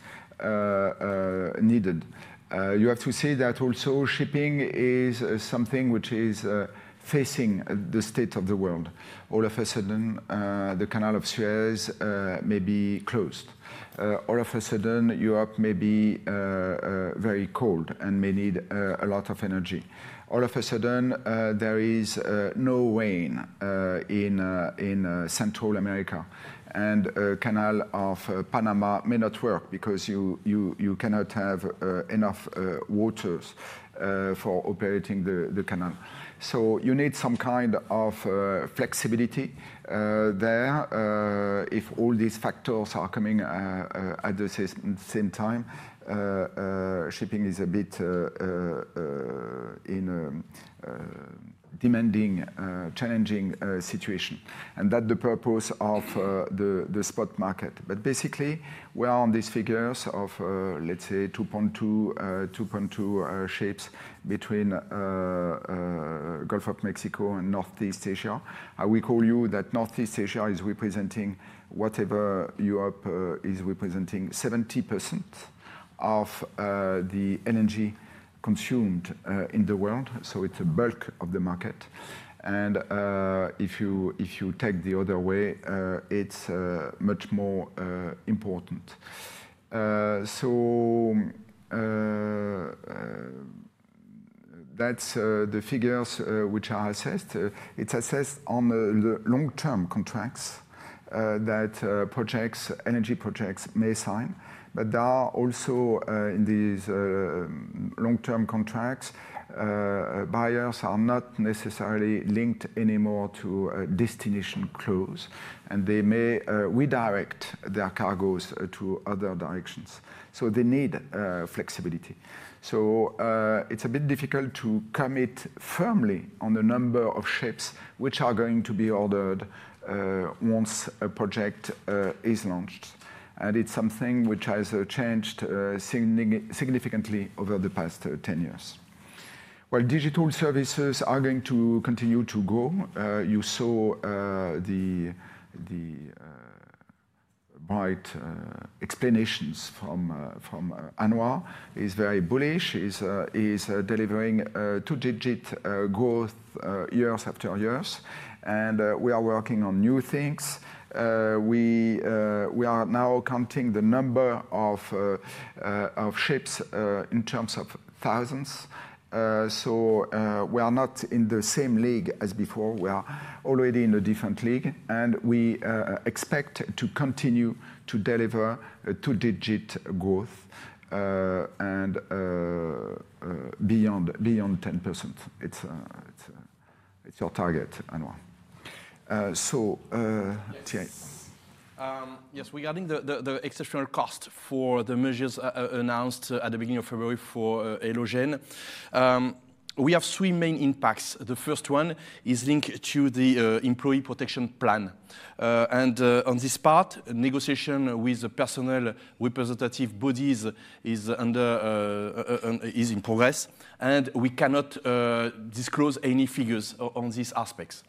needed. You have to see that also shipping is something which is facing the state of the world. All of a sudden, the Suez Canal may be closed. All of a sudden, Europe may be very cold and may need a lot of energy. All of a sudden, there is no rain in Central America, and the Panama Canal may not work because you cannot have enough water for operating the canal. So you need some kind of flexibility there if all these factors are coming at the same time. Shipping is a bit in a demanding, challenging situation, and that's the purpose of the spot market. But basically, we are on these figures of, let's say, 2.2 ships between Gulf of Mexico and Northeast Asia. I will tell you that Northeast Asia is representing whatever Europe is representing, 70% of the energy consumed in the world. It's a bulk of the market. And if you take the other way, it's much more important. That's the figures which are assessed. It's assessed on the long-term contracts that energy projects may sign. But there are also in these long-term contracts, buyers are not necessarily linked anymore to destination close. And they may redirect their cargoes to other directions. They need flexibility. It's a bit difficult to commit firmly on the number of ships which are going to be ordered once a project is launched. It's something which has changed significantly over the past 10 years. Digital services are going to continue to grow. You saw the brief explanations from Anouar. He's very bullish. He's delivering two-digit growth years after years. We are working on new things. We are now counting the number of ships in terms of thousands. We are not in the same league as before. We are already in a different league. And we expect to continue to deliver two-digit growth and beyond 10%. It's your target, Anouar. So, Thierry. Yes, regarding the exceptional cost for the measures announced at the beginning of February for Elogen, we have three main impacts. The first one is linked to the employee protection plan. And on this part, negotiation with the personnel representative bodies is in progress. And we cannot disclose any figures on these aspects.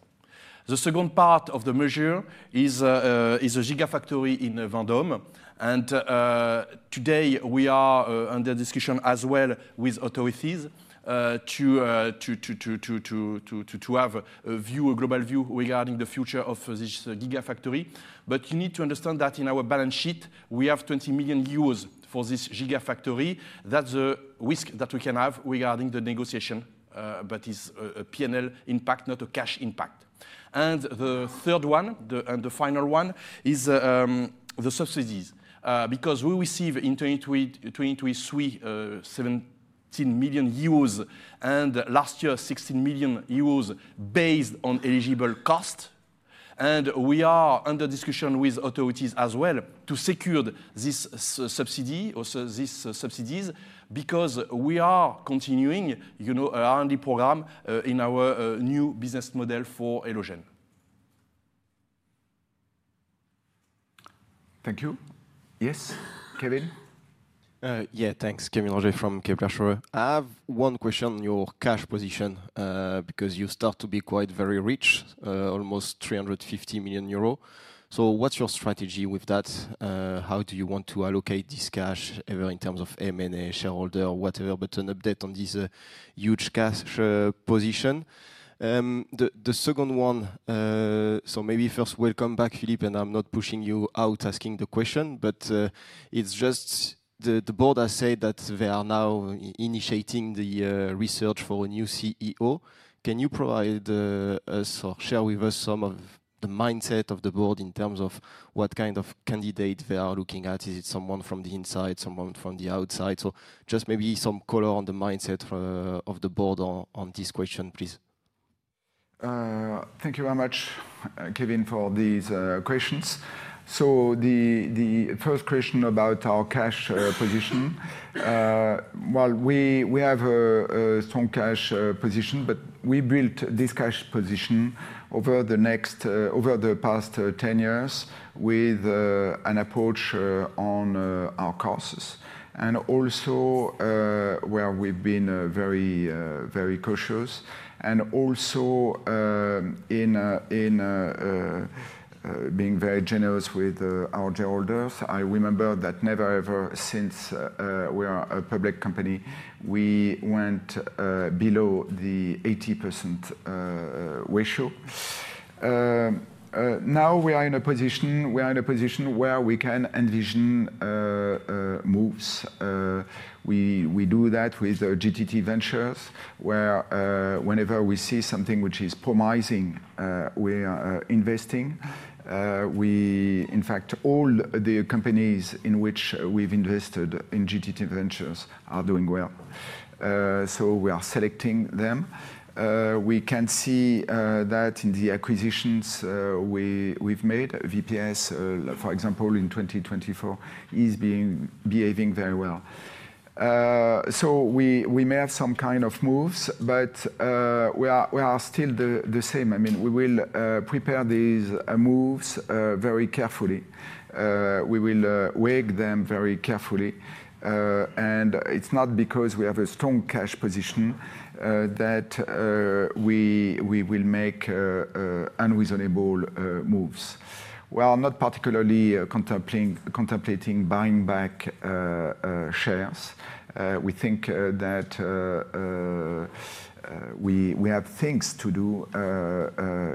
The second part of the measure is a gigafactory in Vendôme. And today, we are under discussion as well with authorities to have a global view regarding the future of this gigafactory. But you need to understand that in our balance sheet, we have 20 million euros for this gigafactory. That's a risk that we can have regarding the negotiation, but it's a P&L impact, not a cash impact, and the third one and the final one is the subsidies. Because we receive in 2023, 17 million euros and last year, 16 million euros based on eligible cost. And we are under discussion with EthiFinance as well to secure these subsidies because we are continuing our R&D program in our new business model for Elogen. Thank you. Yes, Kevin? Yeah, thanks. Kevin Roger from Kepler Cheuvreux. I have one question on your cash position because you start to be quite very rich, almost 350 million euro. So what's your strategy with that? How do you want to allocate this cash ever in terms of M&A, shareholder, whatever, but an update on this huge cash position? The second one, so maybe first, welcome back, Philippe, and I'm not pushing you out asking the question, but it's just the board has said that they are now initiating the research for a new CEO. Can you provide us or share with us some of the mindset of the board in terms of what kind of candidate they are looking at? Is it someone from the inside, someone from the outside? So just maybe some color on the mindset of the board on this question, please. Thank you very much, Kevin, for these questions. So the first question about our cash position. Well, we have a strong cash position, but we built this cash position over the past 10 years with an approach on our costs. And also where we've been very cautious. Also in being very generous with our shareholders, I remember that never, ever since we are a public company, we went below the 80% ratio. Now we are in a position where we can envision moves. We do that with GTT Ventures, where whenever we see something which is promising, we are investing. In fact, all the companies in which we've invested in GTT Ventures are doing well. So we are selecting them. We can see that in the acquisitions we've made. VPS, for example, in 2024, is behaving very well. So we may have some kind of moves, but we are still the same. I mean, we will prepare these moves very carefully. We will weigh them very carefully. And it's not because we have a strong cash position that we will make unreasonable moves. We are not particularly contemplating buying back shares. We think that we have things to do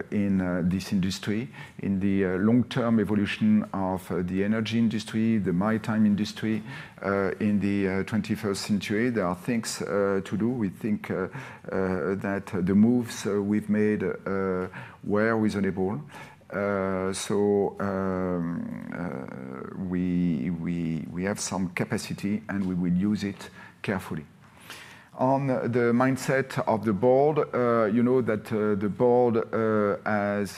in this industry. In the long-term evolution of the energy industry, the maritime industry, in the 21st century, there are things to do. We think that the moves we've made were reasonable. So we have some capacity, and we will use it carefully. On the mindset of the board, you know that the board has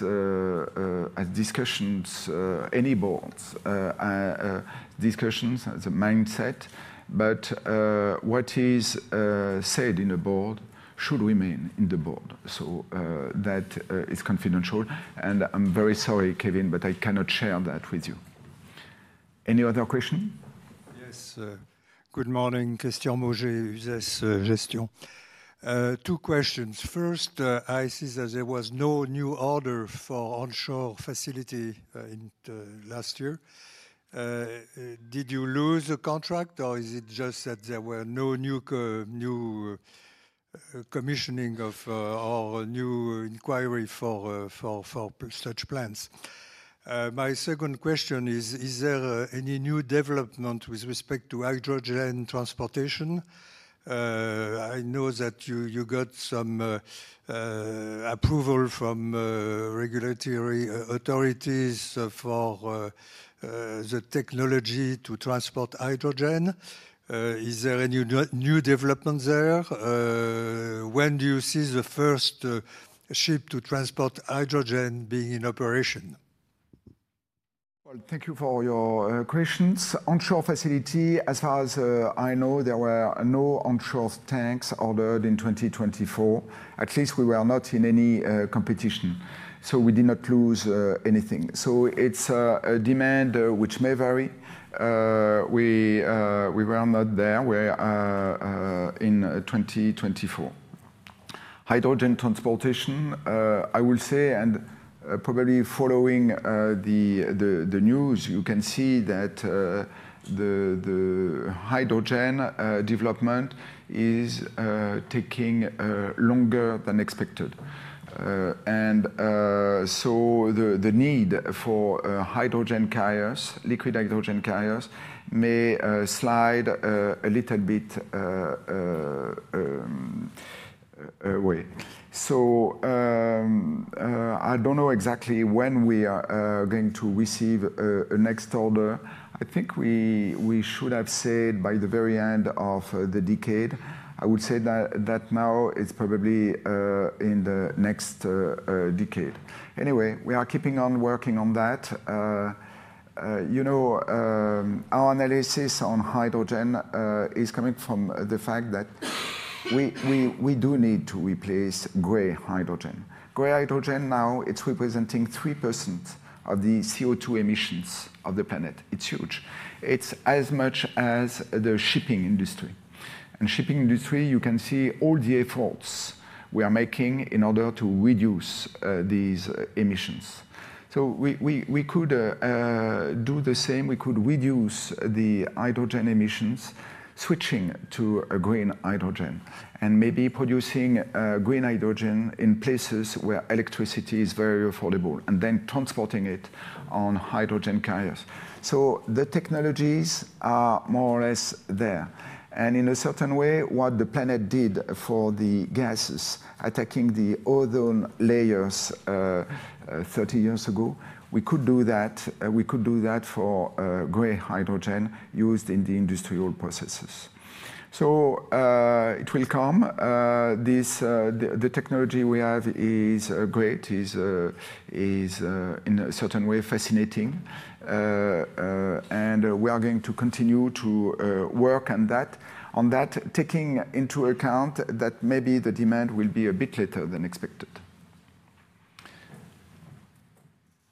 discussions enabled, discussions, the mindset. But what is said in a board should remain in the board. So that is confidential. And I'm very sorry, Kevin, but I cannot share that with you. Any other question? Yes. Good morning, Christian Mauger, Uzès Gestion. Two questions. First, I see that there was no new order for onshore facility last year. Did you lose the contract, or is it just that there were no new commissioning of or new inquiry for such plants? My second question is, is there any new development with respect to hydrogen transportation? I know that you got some approval from regulatory authorities for the technology to transport hydrogen. Is there any new development there? When do you see the first ship to transport hydrogen being in operation? Thank you for your questions. Onshore facility, as far as I know, there were no onshore tanks ordered in 2024. At least we were not in any competition. So we did not lose anything. So it's a demand which may vary. We were not there in 2024. Hydrogen transportation, I will say, and probably following the news, you can see that the hydrogen development is taking longer than expected. And so the need for liquid hydrogen carriers may slide a little bit away. So I don't know exactly when we are going to receive a next order. I think we should have said by the very end of the decade. I would say that now it's probably in the next decade. Anyway, we are keeping on working on that. Our analysis on hydrogen is coming from the fact that we do need to replace gray hydrogen. Gray hydrogen now, it's representing 3% of the CO2 emissions of the planet. It's huge. It's as much as the shipping industry. And shipping industry, you can see all the efforts we are making in order to reduce these emissions. So we could do the same. We could reduce the hydrogen emissions switching to a green hydrogen and maybe producing green hydrogen in places where electricity is very affordable and then transporting it on hydrogen carriers. So the technologies are more or less there. In a certain way, what the planet did for the gases attacking the ozone layers 30 years ago, we could do that. We could do that for gray hydrogen used in the industrial processes. It will come. The technology we have is great, is in a certain way fascinating. We are going to continue to work on that, taking into account that maybe the demand will be a bit later than expected.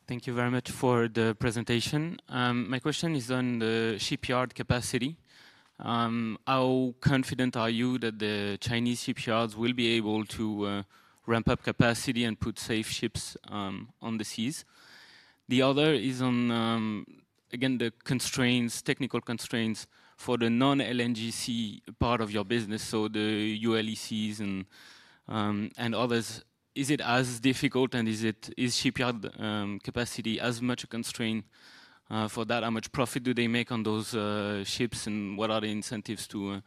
Thank you very much for the presentation. My question is on the shipyard capacity. How confident are you that the Chinese shipyards will be able to ramp up capacity and put safe ships on the seas? The other is on, again, the technical constraints for the non-LNGC part of your business, so the ULECs and others. Is it as difficult, and is shipyard capacity as much a constraint for that? How much profit do they make on those ships, and what are the incentives to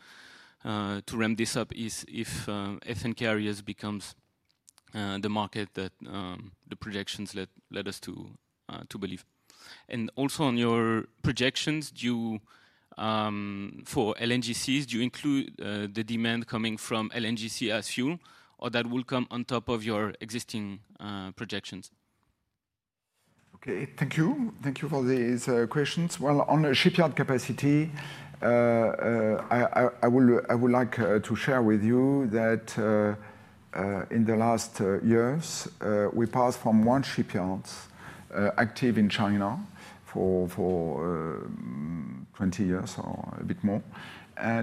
ramp this up if LNG carriers becomes the market that the projections led us to believe? And also on your projections for LNGCs, do you include the demand coming from LNG as fuel, or that will come on top of your existing projections? Okay, thank you. Thank you for these questions. Well, on shipyard capacity, I would like to share with you that in the last years, we passed from one shipyard active in China for 20 years or a bit more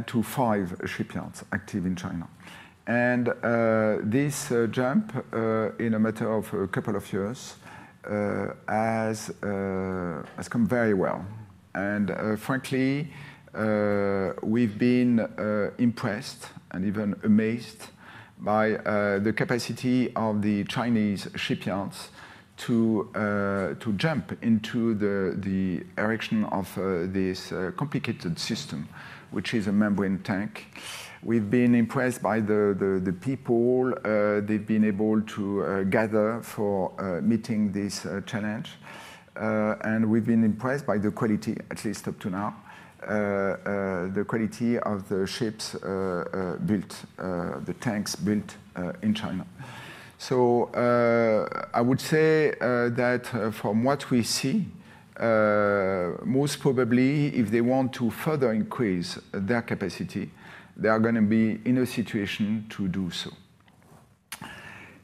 to five shipyards active in China. And this jump in a matter of a couple of years has come very well. And frankly, we've been impressed and even amazed by the capacity of the Chinese shipyards to jump into the erection of this complicated system, which is a membrane tank. We've been impressed by the people they've been able to gather for meeting this challenge, and we've been impressed by the quality, at least up to now, of the ships built, the tanks built in China. I would say that from what we see, most probably, if they want to further increase their capacity, they are going to be in a situation to do so.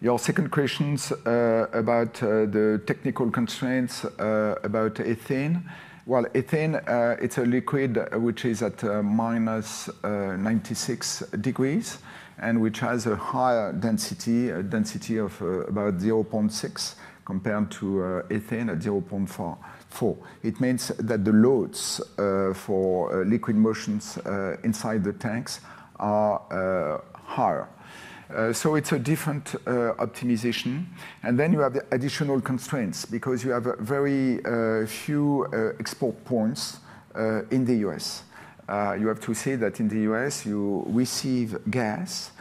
Your second question about the technical constraints about ethane. Ethane, it's a liquid which is at minus 96 degrees and which has a higher density of about 0.6 compared to ethane at 0.4. It means that the loads for liquid motions inside the tanks are higher, so it's a different optimization, and then you have the additional constraints because you have very few export points in the U.S. You have to see that in the U.S., you receive gas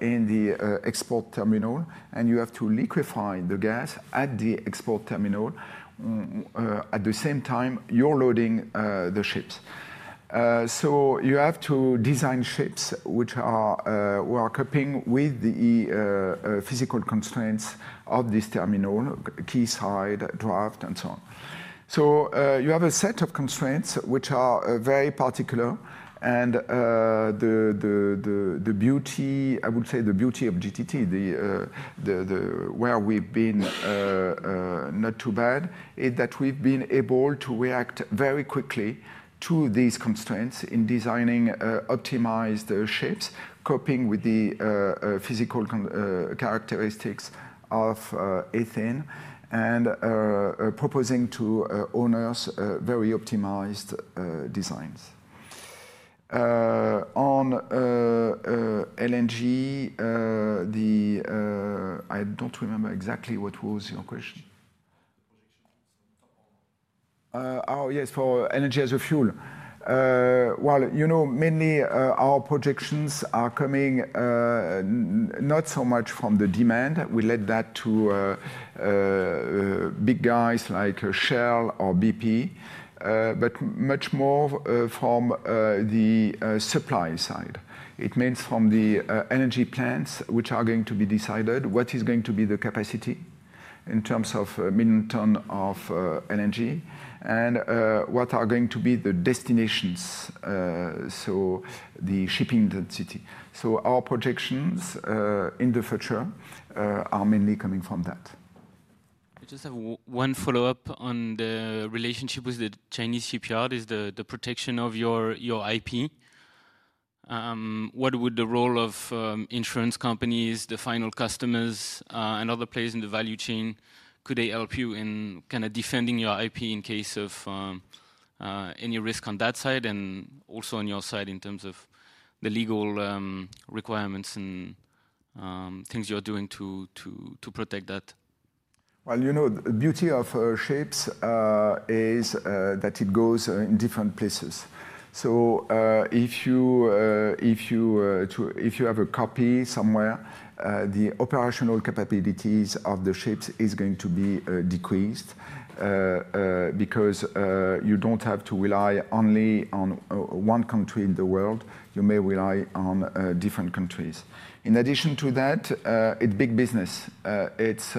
in the export terminal, and you have to liquefy the gas at the export terminal. At the same time, you're loading the ships. So you have to design ships which are coping with the physical constraints of this terminal, quayside, draft, and so on. So you have a set of constraints which are very particular. And the beauty, I would say the beauty of GTT, where we've been not too bad, is that we've been able to react very quickly to these constraints in designing optimized ships, coping with the physical characteristics of ethane, and proposing to owners very optimized designs. On LNG, I don't remember exactly what was your question. Oh, yes, for LNG as a fuel. Well, you know, mainly our projections are coming not so much from the demand. We leave that to big guys like Shell or BP, but much more from the supply side. It means from the energy plants which are going to be decided what is going to be the capacity in terms of million tons of energy and what are going to be the destinations, so the shipping density. So our projections in the future are mainly coming from that. I just have one follow-up on the relationship with the Chinese shipyard: is the protection of your IP. What would the role of insurance companies, the final customers, and other players in the value chain; could they help you in kind of defending your IP in case of any risk on that side and also on your side in terms of the legal requirements and things you're doing to protect that? You know, the beauty of ships is that it goes in different places. So if you have a copy somewhere, the operational capabilities of the ships are going to be decreased because you don't have to rely only on one country in the world. You may rely on different countries. In addition to that, it's big business. It's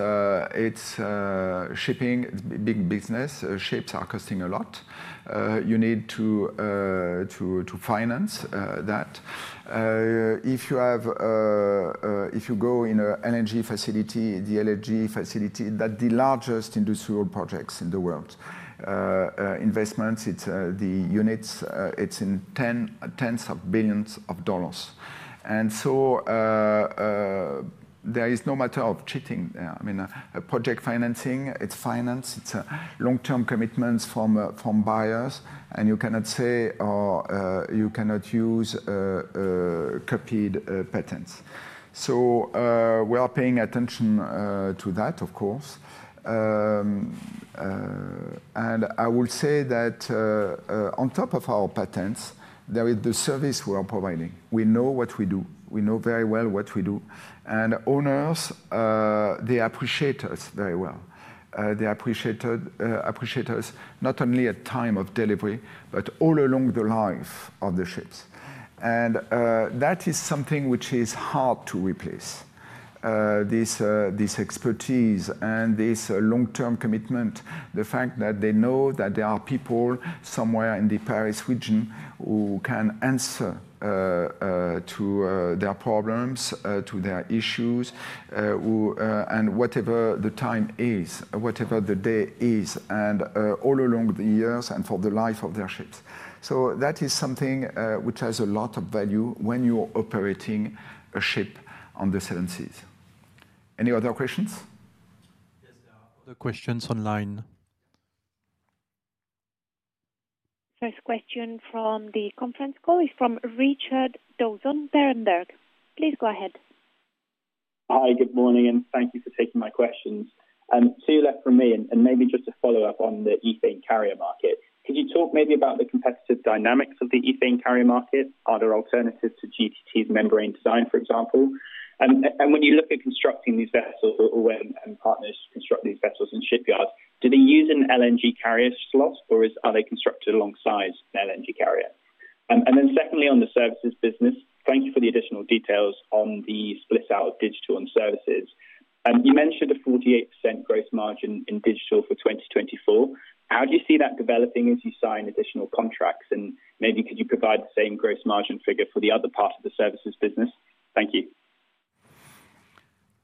shipping, big business. Ships are costing a lot. You need to finance that. If you go in an LNG facility, the LNG facility, that's the largest industrial project in the world. Investments, the units, it's in tens of billions of dollars. And so there is no matter of cheating there. I mean, project financing, it's finance. It's long-term commitments from buyers. And you cannot say or you cannot use copied patents. So we are paying attention to that, of course. And I will say that on top of our patents, there is the service we are providing. We know what we do. We know very well what we do. And owners, they appreciate us very well. They appreciate us not only at time of delivery, but all along the life of the ships. And that is something which is hard to replace. This expertise and this long-term commitment, the fact that they know that there are people somewhere in the Paris region who can answer to their problems, to their issues, and whatever the time is, whatever the day is, and all along the years and for the life of their ships. So that is something which has a lot of value when you're operating a ship on the seven seas. Any other questions? There are other questions online. First question from the conference call is from Richard Dawson, Berenberg. Please go ahead. Hi, good morning, and thank you for taking my questions. Two left from me, and maybe just a follow-up on the ethane carrier market. Could you talk maybe about the competitive dynamics of the ethane carrier market, other alternatives to GTT's membrane design, for example? And when you look at constructing these vessels or when partners construct these vessels in shipyards, do they use an LNG carrier slot, or are they constructed alongside an LNG carrier? And then secondly, on the services business, thank you for the additional details on the split out of digital and services. You mentioned a 48% gross margin in digital for 2024. How do you see that developing as you sign additional contracts? And maybe could you provide the same gross margin figure for the other part of the services business? Thank you.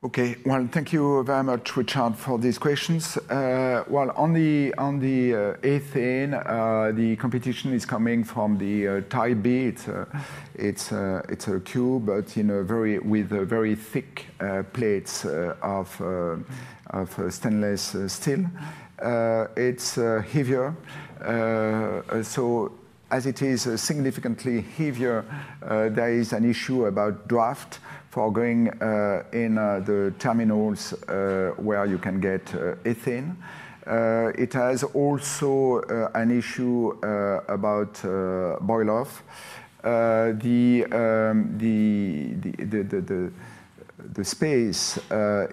Okay, well, thank you very much, Richard, for these questions. Well, on the ethane, the competition is coming from the Type B. It's a cube but with very thick plates of stainless steel. It's heavier. So as it is significantly heavier, there is an issue about draft for going in the terminals where you can get ethane. It has also an issue about boil-off. The space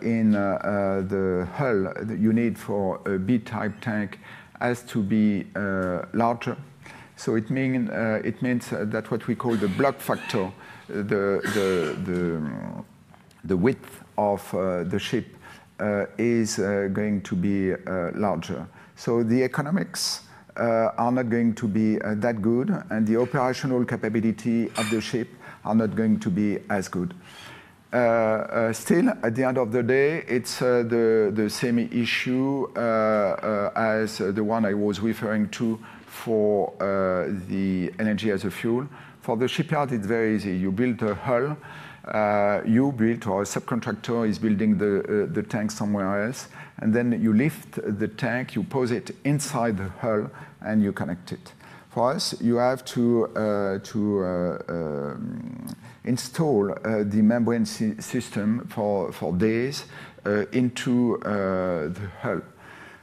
in the hull you need for a B-type tank has to be larger. So it means that what we call the block factor, the width of the ship, is going to be larger. So the economics are not going to be that good, and the operational capability of the ship are not going to be as good. Still, at the end of the day, it's the same issue as the one I was referring to for the LNG as a fuel. For the shipyard, it's very easy. You build a hull, you build, or a subcontractor is building the tank somewhere else, and then you lift the tank, you place it inside the hull, and you connect it. For us, you have to install the membrane system for days into the hull.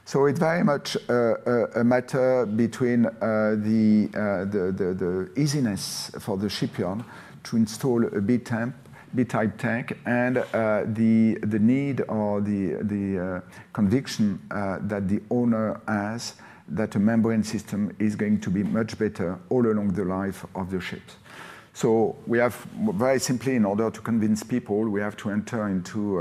So it's very much a matter between the easiness for the shipyard to install a B-type tank and the need or the conviction that the owner has that a membrane system is going to be much better all along the life of the ship. So we have very simply, in order to convince people, we have to enter into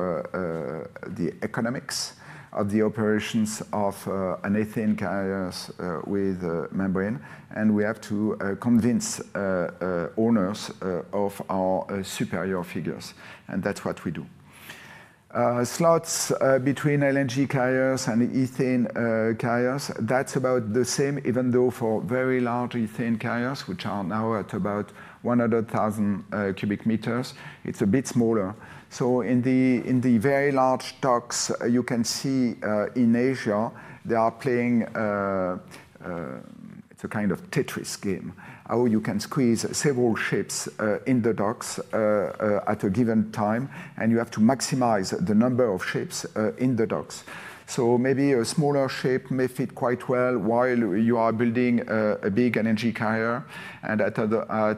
the economics of the operations of an ethane carrier with membrane, and we have to convince owners of our superior figures. And that's what we do. Slots between LNG carriers and ethane carriers, that's about the same, even though for very large ethane carriers, which are now at about 100,000 cubic meters, it's a bit smaller. In the very large docks, you can see in Asia, they are playing a kind of Tetris game, how you can squeeze several ships in the docks at a given time, and you have to maximize the number of ships in the docks. Maybe a smaller ship may fit quite well while you are building a big ethane carrier, and at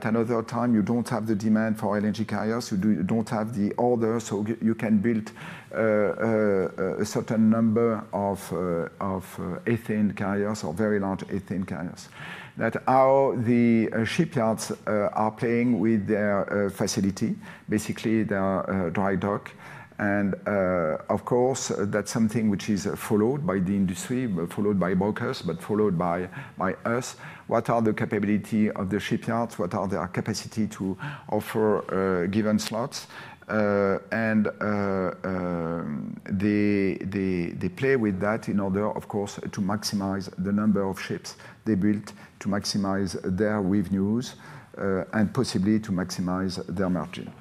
another time, you don't have the demand for ethane carriers, you don't have the order, so you can build a certain number of ethane carriers or very large ethane carriers. That's how the shipyards are playing with their facility, basically their dry dock. Of course, that's something which is followed by the industry, followed by brokers, but followed by us. What are the capabilities of the shipyards? What are their capacities to offer given slots? And they play with that in order, of course, to maximize the number of ships they build to maximize their revenues and possibly to maximize their margin.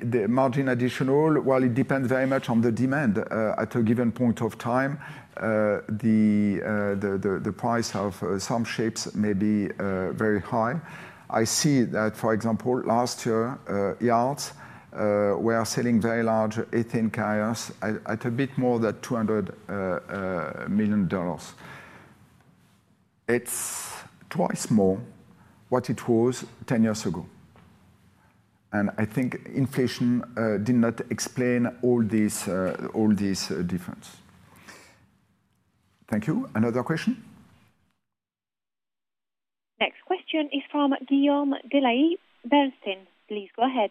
The margin additional, well, it depends very much on the demand. At a given point of time, the price of some ships may be very high. I see that, for example, last year, yards were selling very large ethane carriers at a bit more than $200 million. It's twice more what it was 10 years ago. And I think inflation did not explain all this difference. Thank you. Another question? Next question is from Guillaume Delaby. Please go ahead.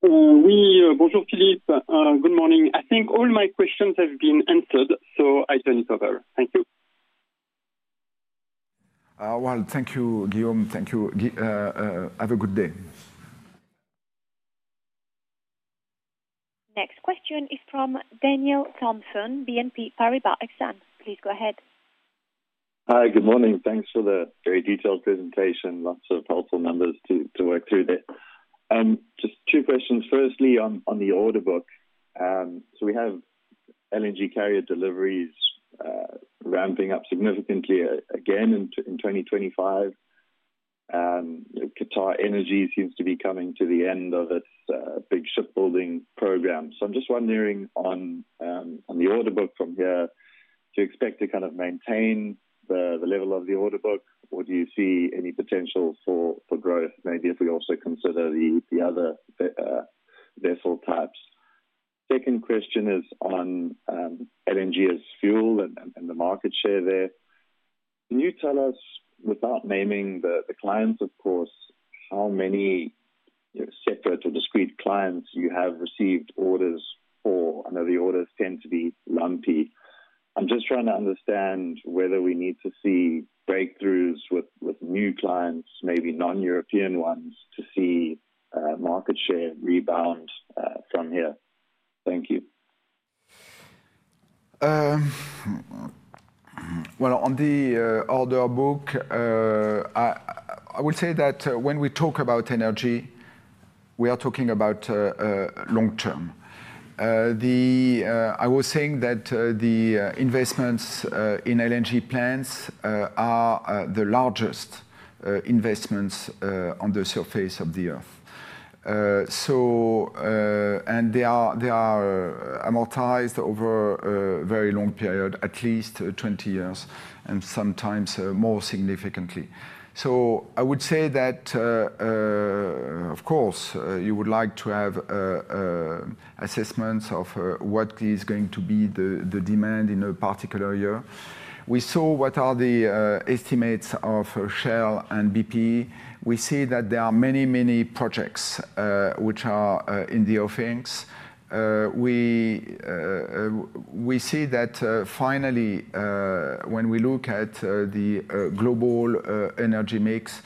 Oui, bonjour Philippe. Good morning. I think all my questions have been answered, so I turn it over. Thank you. Well, thank you, Guillaume. Thank you. Have a good day. Next question is from Daniel Thomson, BNP Paribas Exane. Please go ahead. Hi, good morning. Thanks for the very detailed presentation. Lots of helpful numbers to work through there. Just two questions. Firstly, on the order book, so we have LNG carrier deliveries ramping up significantly again in 2025. QatarEnergy seems to be coming to the end of its big shipbuilding program. So I'm just wondering on the order book from here, do you expect to kind of maintain the level of the order book, or do you see any potential for growth, maybe if we also consider the other vessel types? Second question is on LNG as fuel and the market share there. Can you tell us, without naming the clients, of course, how many separate or discrete clients you have received orders for? I know the orders tend to be lumpy. I'm just trying to understand whether we need to see breakthroughs with new clients, maybe non-European ones, to see market share rebound from here. Thank you. Well, on the order book, I will say that when we talk about energy, we are talking about long-term. I was saying that the investments in LNG plants are the largest investments on the surface of the earth. And they are amortized over a very long period, at least 20 years, and sometimes more significantly. So I would say that, of course, you would like to have assessments of what is going to be the demand in a particular year. We saw what are the estimates of Shell and BP. We see that there are many, many projects which are in the offings. We see that finally, when we look at the global energy mix,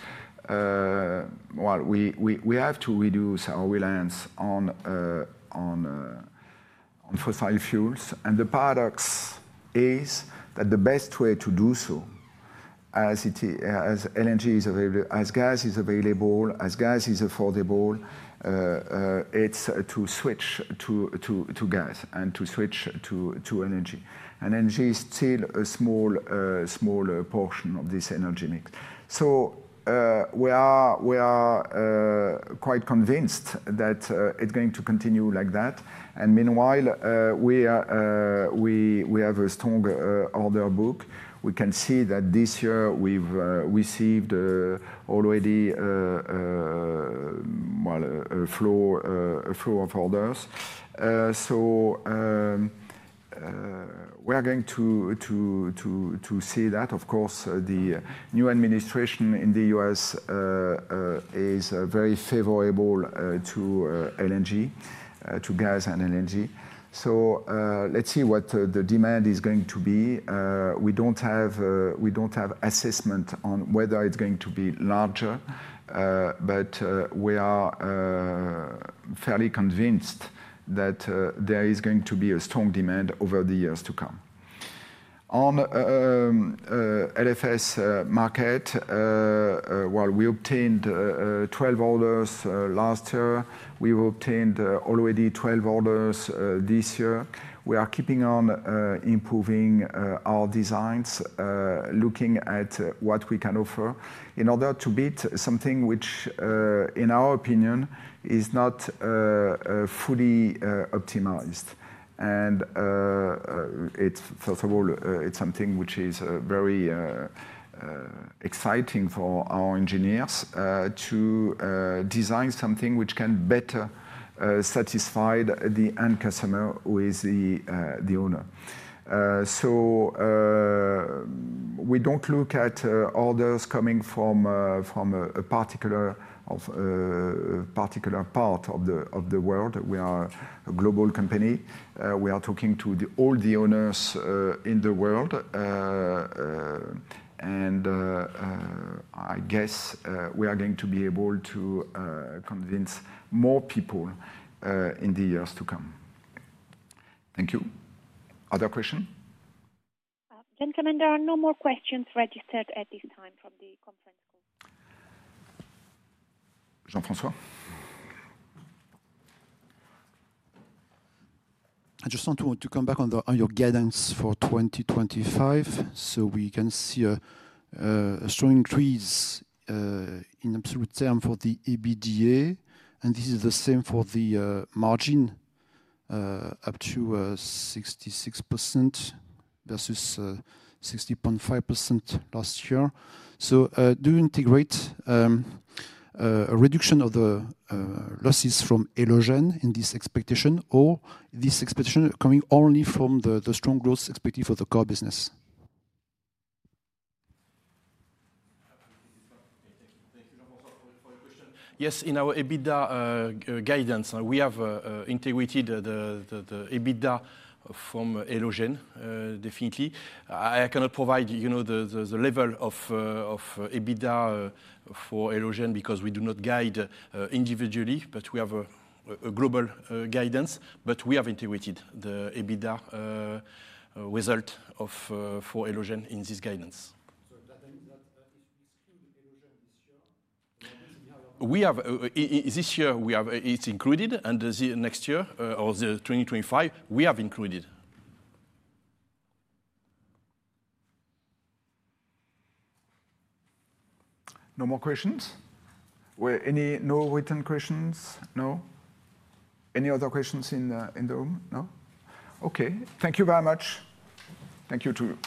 well, we have to reduce our reliance on fossil fuels, and the paradox is that the best way to do so, as LNG is available, as gas is available, as gas is affordable, it's to switch to gas and to switch to LNG, and LNG is still a small portion of this energy mix, so we are quite convinced that it's going to continue like that. And meanwhile, we have a strong order book. We can see that this year we've received already a flow of orders, so we're going to see that. Of course, the new administration in the U.S. is very favorable to LNG, to gas and LNG, so let's see what the demand is going to be. We don't have assessment on whether it's going to be larger, but we are fairly convinced that there is going to be a strong demand over the years to come. On LFS market, while we obtained 12 orders last year, we obtained already 12 orders this year. We are keeping on improving our designs, looking at what we can offer in order to beat something which, in our opinion, is not fully optimized. And first of all, it's something which is very exciting for our engineers to design something which can better satisfy the end customer who is the owner. So we don't look at orders coming from a particular part of the world. We are a global company. We are talking to all the owners in the world. And I guess we are going to be able to convince more people in the years to come. Thank you. Any other question? Then, no more questions are registered at this time from the conference call. Jean-François. I just want to come back on your guidance for 2025. So we can see a strong increase in absolute terms for the EBITDA. And this is the same for the margin, up to 66% versus 60.5% last year. So do you integrate a reduction of the losses from Elogen in this expectation, or is this expectation coming only from the strong growth expected for the core business? Thank you, Jean-François, for your question. Yes, in our EBITDA guidance, we have integrated the EBITDA from Elogen, definitely. I cannot provide the level of EBITDA for Elogen because we do not guide individually, but we have a global guidance. But we have integrated the EBITDA result for Elogen in this guidance. So that means that is excluded Elogen this year? This year, we have it included, and next year, or 2025, we have included. No more questions? No written questions? No? Any other questions in the room? No? Okay. Thank you very much. Thank you too.